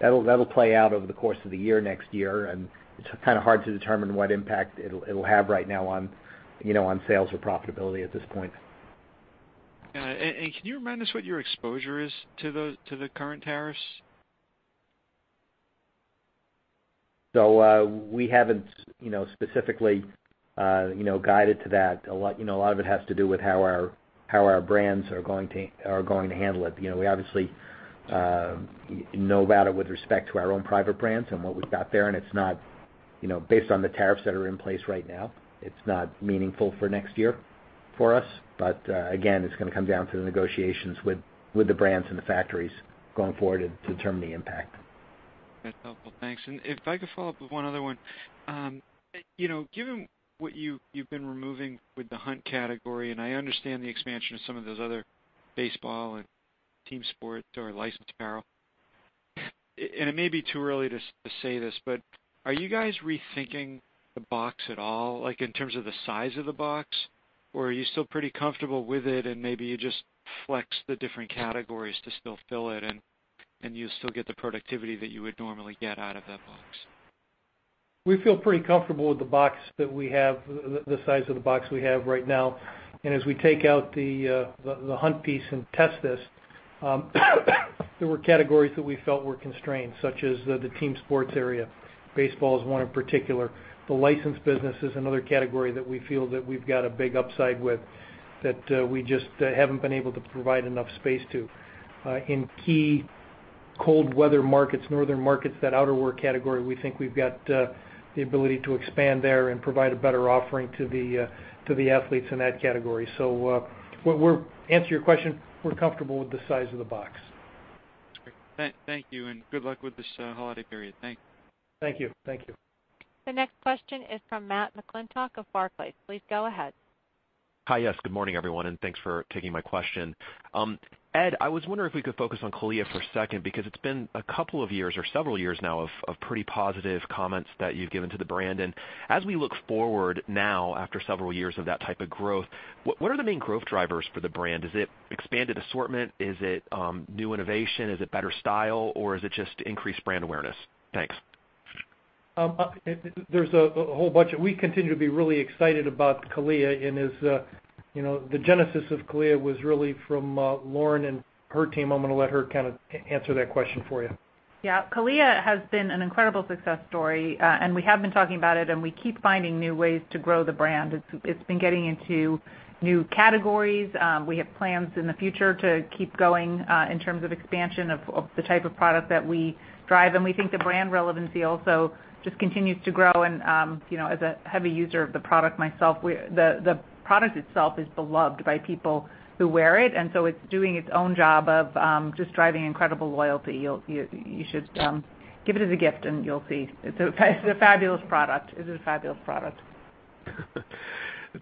That'll play out over the course of the year next year, and it's kind of hard to determine what impact it'll have right now on sales or profitability at this point. Yeah. Can you remind us what your exposure is to the current tariffs? We haven't specifically guided to that. A lot of it has to do with how our brands are going to handle it. We obviously know about it with respect to our own private brands and what we've got there, and based on the tariffs that are in place right now, it's not meaningful for next year for us. Again, it's going to come down to the negotiations with the brands and the factories going forward to determine the impact. That's helpful. Thanks. If I could follow up with one other one. Given what you've been removing with the hunt category, and I understand the expansion of some of those other baseball and team sports or licensed apparel. It may be too early to say this, are you guys rethinking the box at all, like in terms of the size of the box? Are you still pretty comfortable with it and maybe you just flex the different categories to still fill it and you still get the productivity that you would normally get out of that box? We feel pretty comfortable with the size of the box we have right now. As we take out the hunt piece and test this, there were categories that we felt were constrained, such as the team sports area. Baseball is one in particular. The licensed business is another category that we feel that we've got a big upside with that we just haven't been able to provide enough space to. In key cold weather markets, northern markets, that outerwork category, we think we've got the ability to expand there and provide a better offering to the athletes in that category. To answer your question, we're comfortable with the size of the box. Great. Thank you, and good luck with this holiday period. Thanks. Thank you. The next question is from Matthew McClintock of Barclays. Please go ahead. Hi. Yes, good morning, everyone, and thanks for taking my question. Ed, I was wondering if we could focus on CALIA for a second, because it's been a couple of years or several years now of pretty positive comments that you've given to the brand. As we look forward now after several years of that type of growth, what are the main growth drivers for the brand? Is it expanded assortment? Is it new innovation? Is it better style, or is it just increased brand awareness? Thanks. There's a whole bunch. We continue to be really excited about CALIA and as the genesis of CALIA was really from Lauren and her team. I'm going to let her answer that question for you. Yeah. CALIA has been an incredible success story. We have been talking about it, and we keep finding new ways to grow the brand. It's been getting into new categories. We have plans in the future to keep going, in terms of expansion of the type of product that we drive. We think the brand relevancy also just continues to grow. As a heavy user of the product myself, the product itself is beloved by people who wear it. So it's doing its own job of just driving incredible loyalty. You should give it as a gift and you'll see. It's a fabulous product.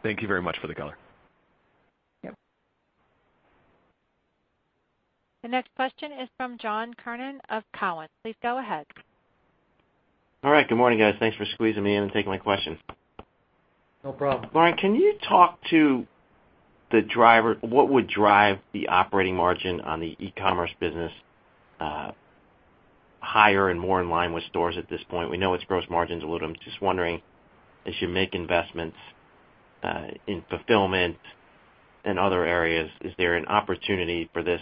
Thank you very much for the color. Yep. The next question is from John Kernan of Cowen. Please go ahead. All right. Good morning, guys. Thanks for squeezing me in and taking my question. No problem. Lauren, can you talk to what would drive the operating margin on the e-commerce business higher and more in line with stores at this point? We know its gross margins a little. I'm just wondering, as you make investments in fulfillment and other areas, is there an opportunity for this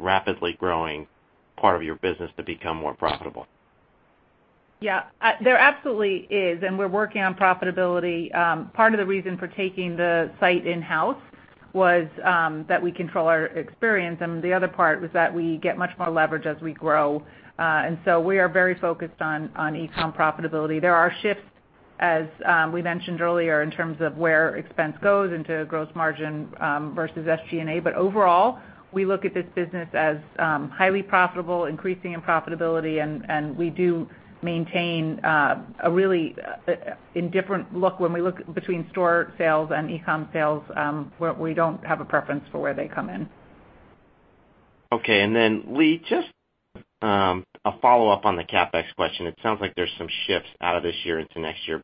rapidly growing part of your business to become more profitable? Yeah. There absolutely is, and we're working on profitability. Part of the reason for taking the site in-house was that we control our experience, and the other part was that we get much more leverage as we grow. We are very focused on e-com profitability. There are shifts, as we mentioned earlier, in terms of where expense goes into gross margin versus SG&A. Overall, we look at this business as highly profitable, increasing in profitability, and we do maintain a really indifferent look when we look between store sales and e-com sales, where we don't have a preference for where they come in. Okay. Lee, just a follow-up on the CapEx question. It sounds like there's some shifts out of this year into next year,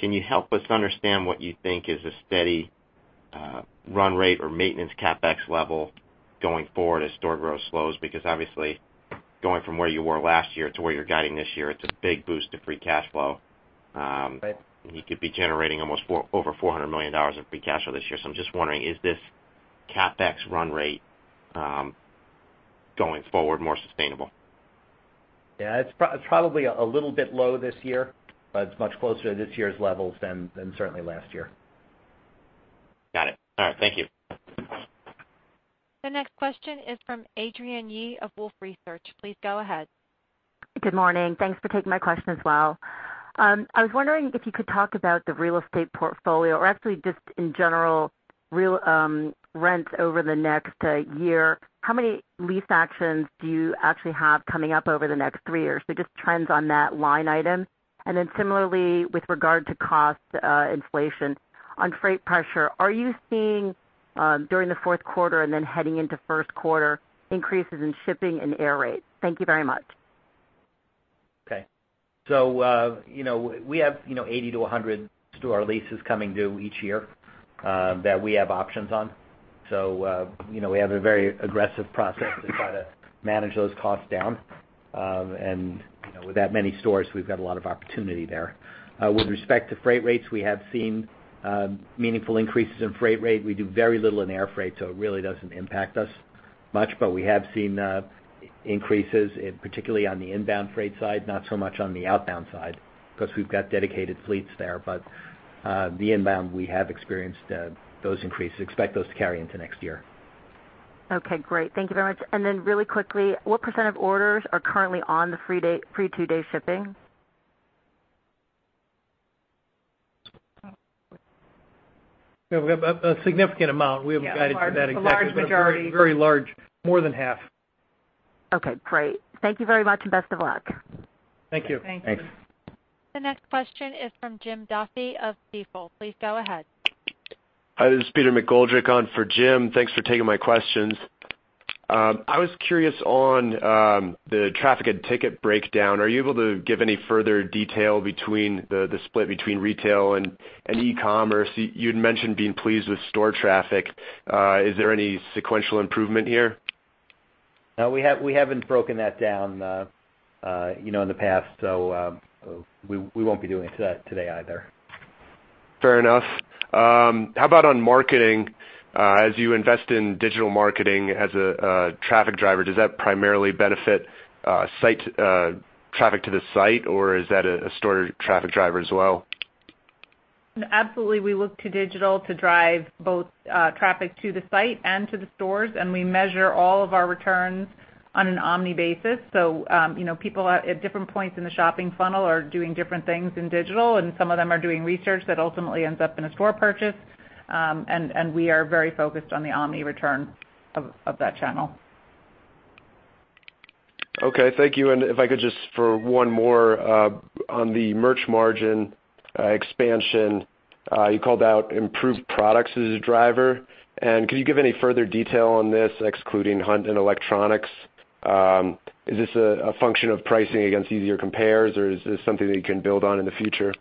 can you help us understand what you think is a steady run rate or maintenance CapEx level going forward as store growth slows? Obviously, going from where you were last year to where you're guiding this year, it's a big boost to free cash flow. Right. You could be generating almost over $400 million of free cash flow this year. I'm just wondering, is this CapEx run rate going forward more sustainable? Yeah, it's probably a little bit low this year, but it's much closer to this year's levels than certainly last year. Got it. All right. Thank you. The next question is from Adrienne Yih of Wolfe Research. Please go ahead. Good morning. Thanks for taking my question as well. I was wondering if you could talk about the real estate portfolio, or actually just in general, rents over the next year. How many lease actions do you actually have coming up over the next three years? Just trends on that line item. Then similarly, with regard to cost inflation on freight pressure, are you seeing, during the fourth quarter and then heading into first quarter, increases in shipping and air rates? Thank you very much. Okay. We have 80-100 store leases coming due each year that we have options on. We have a very aggressive process to try to manage those costs down. With that many stores, we've got a lot of opportunity there. With respect to freight rates, we have seen meaningful increases in freight rate. We do very little in air freight, so it really doesn't impact us much. We have seen increases, particularly on the inbound freight side, not so much on the outbound side, because we've got dedicated fleets there. The inbound, we have experienced those increases. Expect those to carry into next year. Okay, great. Thank you very much. Really quickly, what % of orders are currently on the free two-day shipping? We have a significant amount. We haven't guided to that exactly. A large majority. Very large. More than half. Okay, great. Thank you very much, and best of luck. Thank you. Thank you. Thanks. The next question is from Jim Duffy of Stifel. Please go ahead. Hi, this is Peter McGoldrick on for Jim. Thanks for taking my questions. I was curious on the traffic and ticket breakdown. Are you able to give any further detail between the split between retail and e-commerce? You'd mentioned being pleased with store traffic. Is there any sequential improvement here? No, we haven't broken that down in the past, so we won't be doing that today either. Fair enough. How about on marketing? As you invest in digital marketing as a traffic driver, does that primarily benefit traffic to the site, or is that a store traffic driver as well? Absolutely, we look to digital to drive both traffic to the site and to the stores, and we measure all of our returns on an omni basis. People at different points in the shopping funnel are doing different things in digital, and some of them are doing research that ultimately ends up in a store purchase. We are very focused on the omni return of that channel. Okay. Thank you. If I could just for one more, on the merch margin expansion, you called out improved products as a driver. Could you give any further detail on this, excluding hunt and electronics? Is this a function of pricing against easier compares, or is this something that you can build on in the future?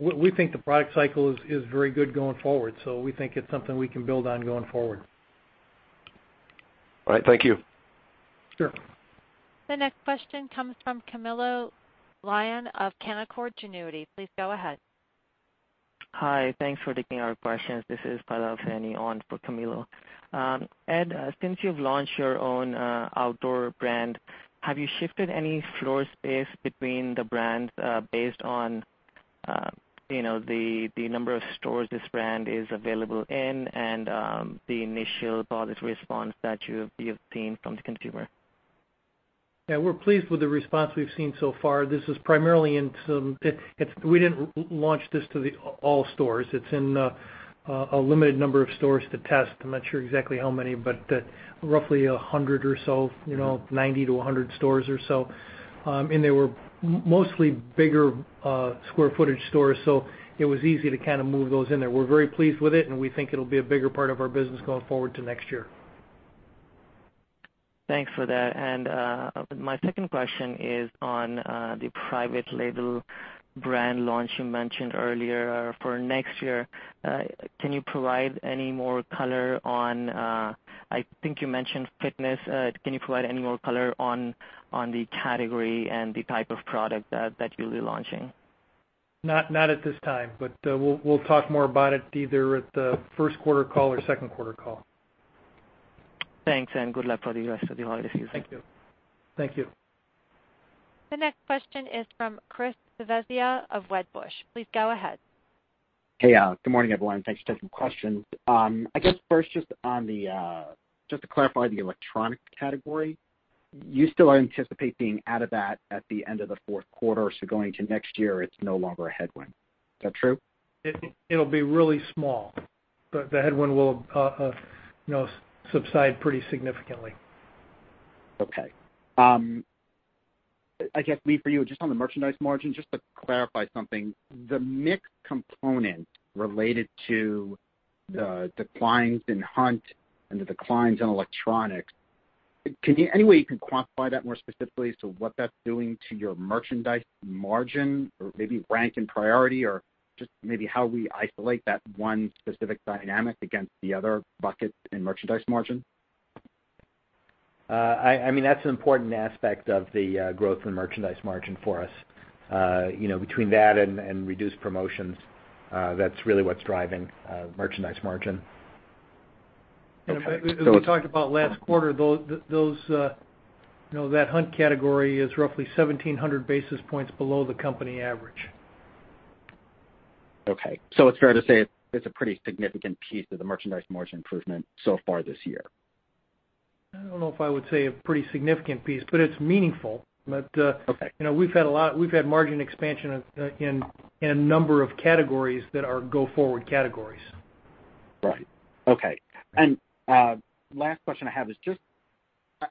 We think the product cycle is very good going forward. We think it's something we can build on going forward. All right. Thank you. Sure. The next question comes from Camilo Lyon of Canaccord Genuity. Please go ahead. Hi. Thanks for taking our questions. This is Pallav Saini on for Camilo. Ed, since you've launched your own outdoor brand, have you shifted any floor space between the brands, based on the number of stores this brand is available in and the initial positive response that you've seen from the consumer? Yeah, we're pleased with the response we've seen so far. We didn't launch this to the all stores. It's in a limited number of stores to test. I'm not sure exactly how many, but roughly 100 or so, 90 to 100 stores or so. They were mostly bigger square footage stores, so it was easy to kind of move those in there. We're very pleased with it, we think it'll be a bigger part of our business going forward to next year. Thanks for that. My second question is on the private label brand launch you mentioned earlier for next year. Can you provide any more color on, I think you mentioned fitness. Can you provide any more color on the category and the type of product that you'll be launching? Not at this time, but we'll talk more about it either at the first quarter call or second quarter call. Thanks, and good luck for the rest of the holiday season. Thank you. Thank you. The next question is from Christopher Svezia of Wedbush. Please go ahead. Hey, good morning, everyone. Thanks for taking questions. I guess first, just to clarify the electronic category, you still anticipate being out of that at the end of the fourth quarter. Going to next year, it's no longer a headwind. Is that true? It'll be really small, the headwind will subside pretty significantly. Okay. I guess Lee, for you, just on the merchandise margin, just to clarify something, the mix component related to the declines in hunt and the declines in electronics, any way you can quantify that more specifically as to what that's doing to your merchandise margin or maybe rank in priority or just maybe how we isolate that one specific dynamic against the other bucket in merchandise margin? That's an important aspect of the growth in merchandise margin for us. Between that and reduced promotions, that's really what's driving merchandise margin. As we talked about last quarter, that hunt category is roughly 1,700 basis points below the company average. Okay. It's fair to say it's a pretty significant piece of the merchandise margin improvement so far this year. I don't know if I would say a pretty significant piece, but it's meaningful. Okay. We've had margin expansion in a number of categories that are go forward categories. Last question I have is just,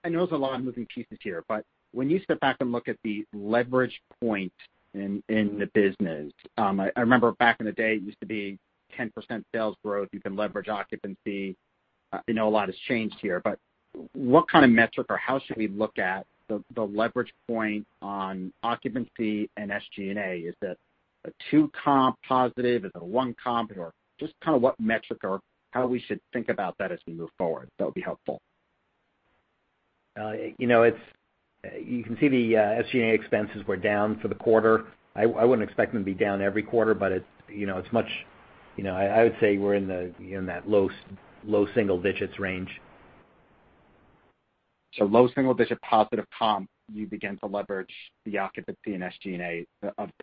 I know there's a lot of moving pieces here, but when you step back and look at the leverage point in the business, I remember back in the day, it used to be 10% sales growth, you can leverage occupancy. I know a lot has changed here, but what kind of metric or how should we look at the leverage point on occupancy and SG&A? Is that a 2 comp positive? Is it a 1 comp? Or just kind of what metric or how we should think about that as we move forward, that would be helpful. You can see the SG&A expenses were down for the quarter. I wouldn't expect them to be down every quarter, but I would say we're in that low single digits range. Low single digit positive comp, you begin to leverage the occupancy and SG&A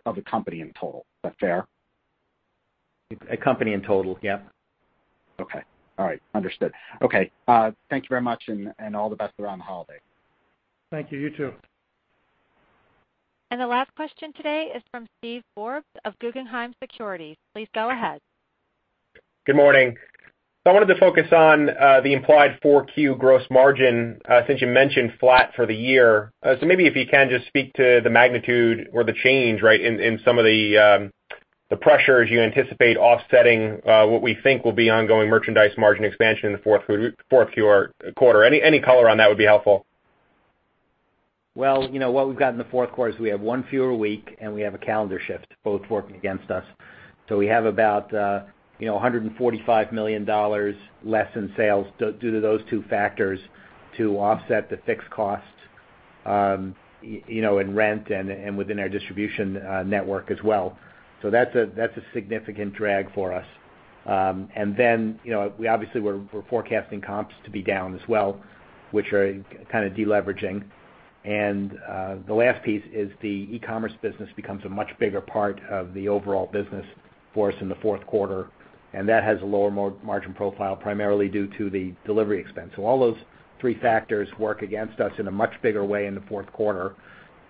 of the company in total. Is that fair? A company in total, yep. Okay. All right. Understood. Okay. Thank you very much and all the best around the holiday. Thank you. You too. The last question today is from Steven Forbes of Guggenheim Securities. Please go ahead. I wanted to focus on the implied 4Q gross margin, since you mentioned flat for the year. Maybe if you can just speak to the magnitude or the change right, in some of the pressures you anticipate offsetting, what we think will be ongoing merchandise margin expansion in the fourth quarter. Any color on that would be helpful. What we've got in the fourth quarter is we have one fewer week, and we have a calendar shift, both working against us. We have about $145 million less in sales due to those two factors to offset the fixed costs, in rent and within our distribution network as well. That's a significant drag for us. We obviously were forecasting comps to be down as well, which are kind of de-leveraging. The last piece is the e-commerce business becomes a much bigger part of the overall business for us in the fourth quarter, and that has a lower margin profile, primarily due to the delivery expense. All those three factors work against us in a much bigger way in the fourth quarter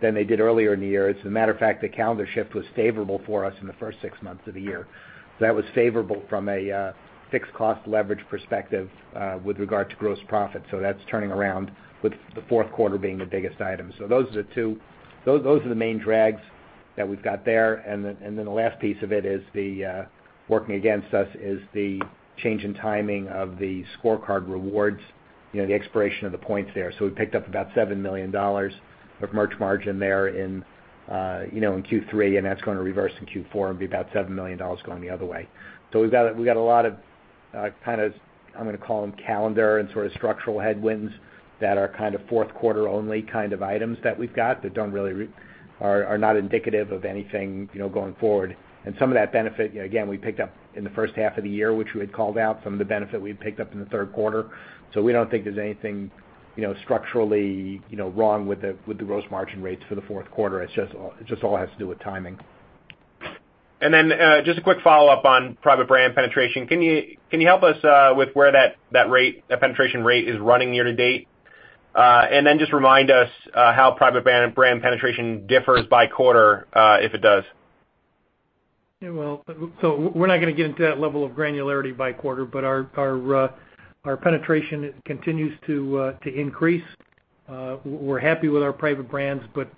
than they did earlier in the year. As a matter of fact, the calendar shift was favorable for us in the first six months of the year. That was favorable from a fixed cost leverage perspective with regard to gross profit. That's turning around with the fourth quarter being the biggest item. Those are the main drags that we've got there. The last piece of it is the, working against us, is the change in timing of the ScoreCard rewards, the expiration of the points there. We picked up about $7 million of merch margin there in Q3, and that's going to reverse in Q4 and be about $7 million going the other way. We've got a lot of, I'm going to call them calendar and sort of structural headwinds that are kind of fourth quarter only kind of items that we've got that are not indicative of anything going forward. Some of that benefit, again, we picked up in the first half of the year, which we had called out. Some of the benefit we had picked up in the third quarter. We don't think there's anything structurally wrong with the gross margin rates for the fourth quarter. It just all has to do with timing. Just a quick follow-up on private brand penetration. Can you help us with where that penetration rate is running year to date? Just remind us how private brand penetration differs by quarter, if it does. Yeah, well, we're not going to get into that level of granularity by quarter. Our penetration continues to increase. We're happy with our private brands, but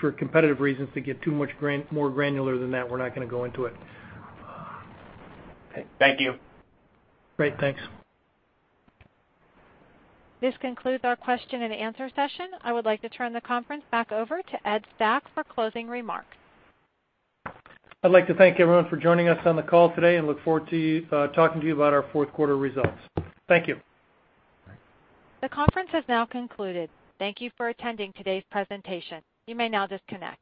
for competitive reasons, to get too much more granular than that, we're not going to go into it. Okay. Thank you. Great. Thanks. This concludes our question and answer session. I would like to turn the conference back over to Ed Stack for closing remarks. I'd like to thank everyone for joining us on the call today and look forward to talking to you about our fourth quarter results. Thank you. The conference has now concluded. Thank you for attending today's presentation. You may now disconnect.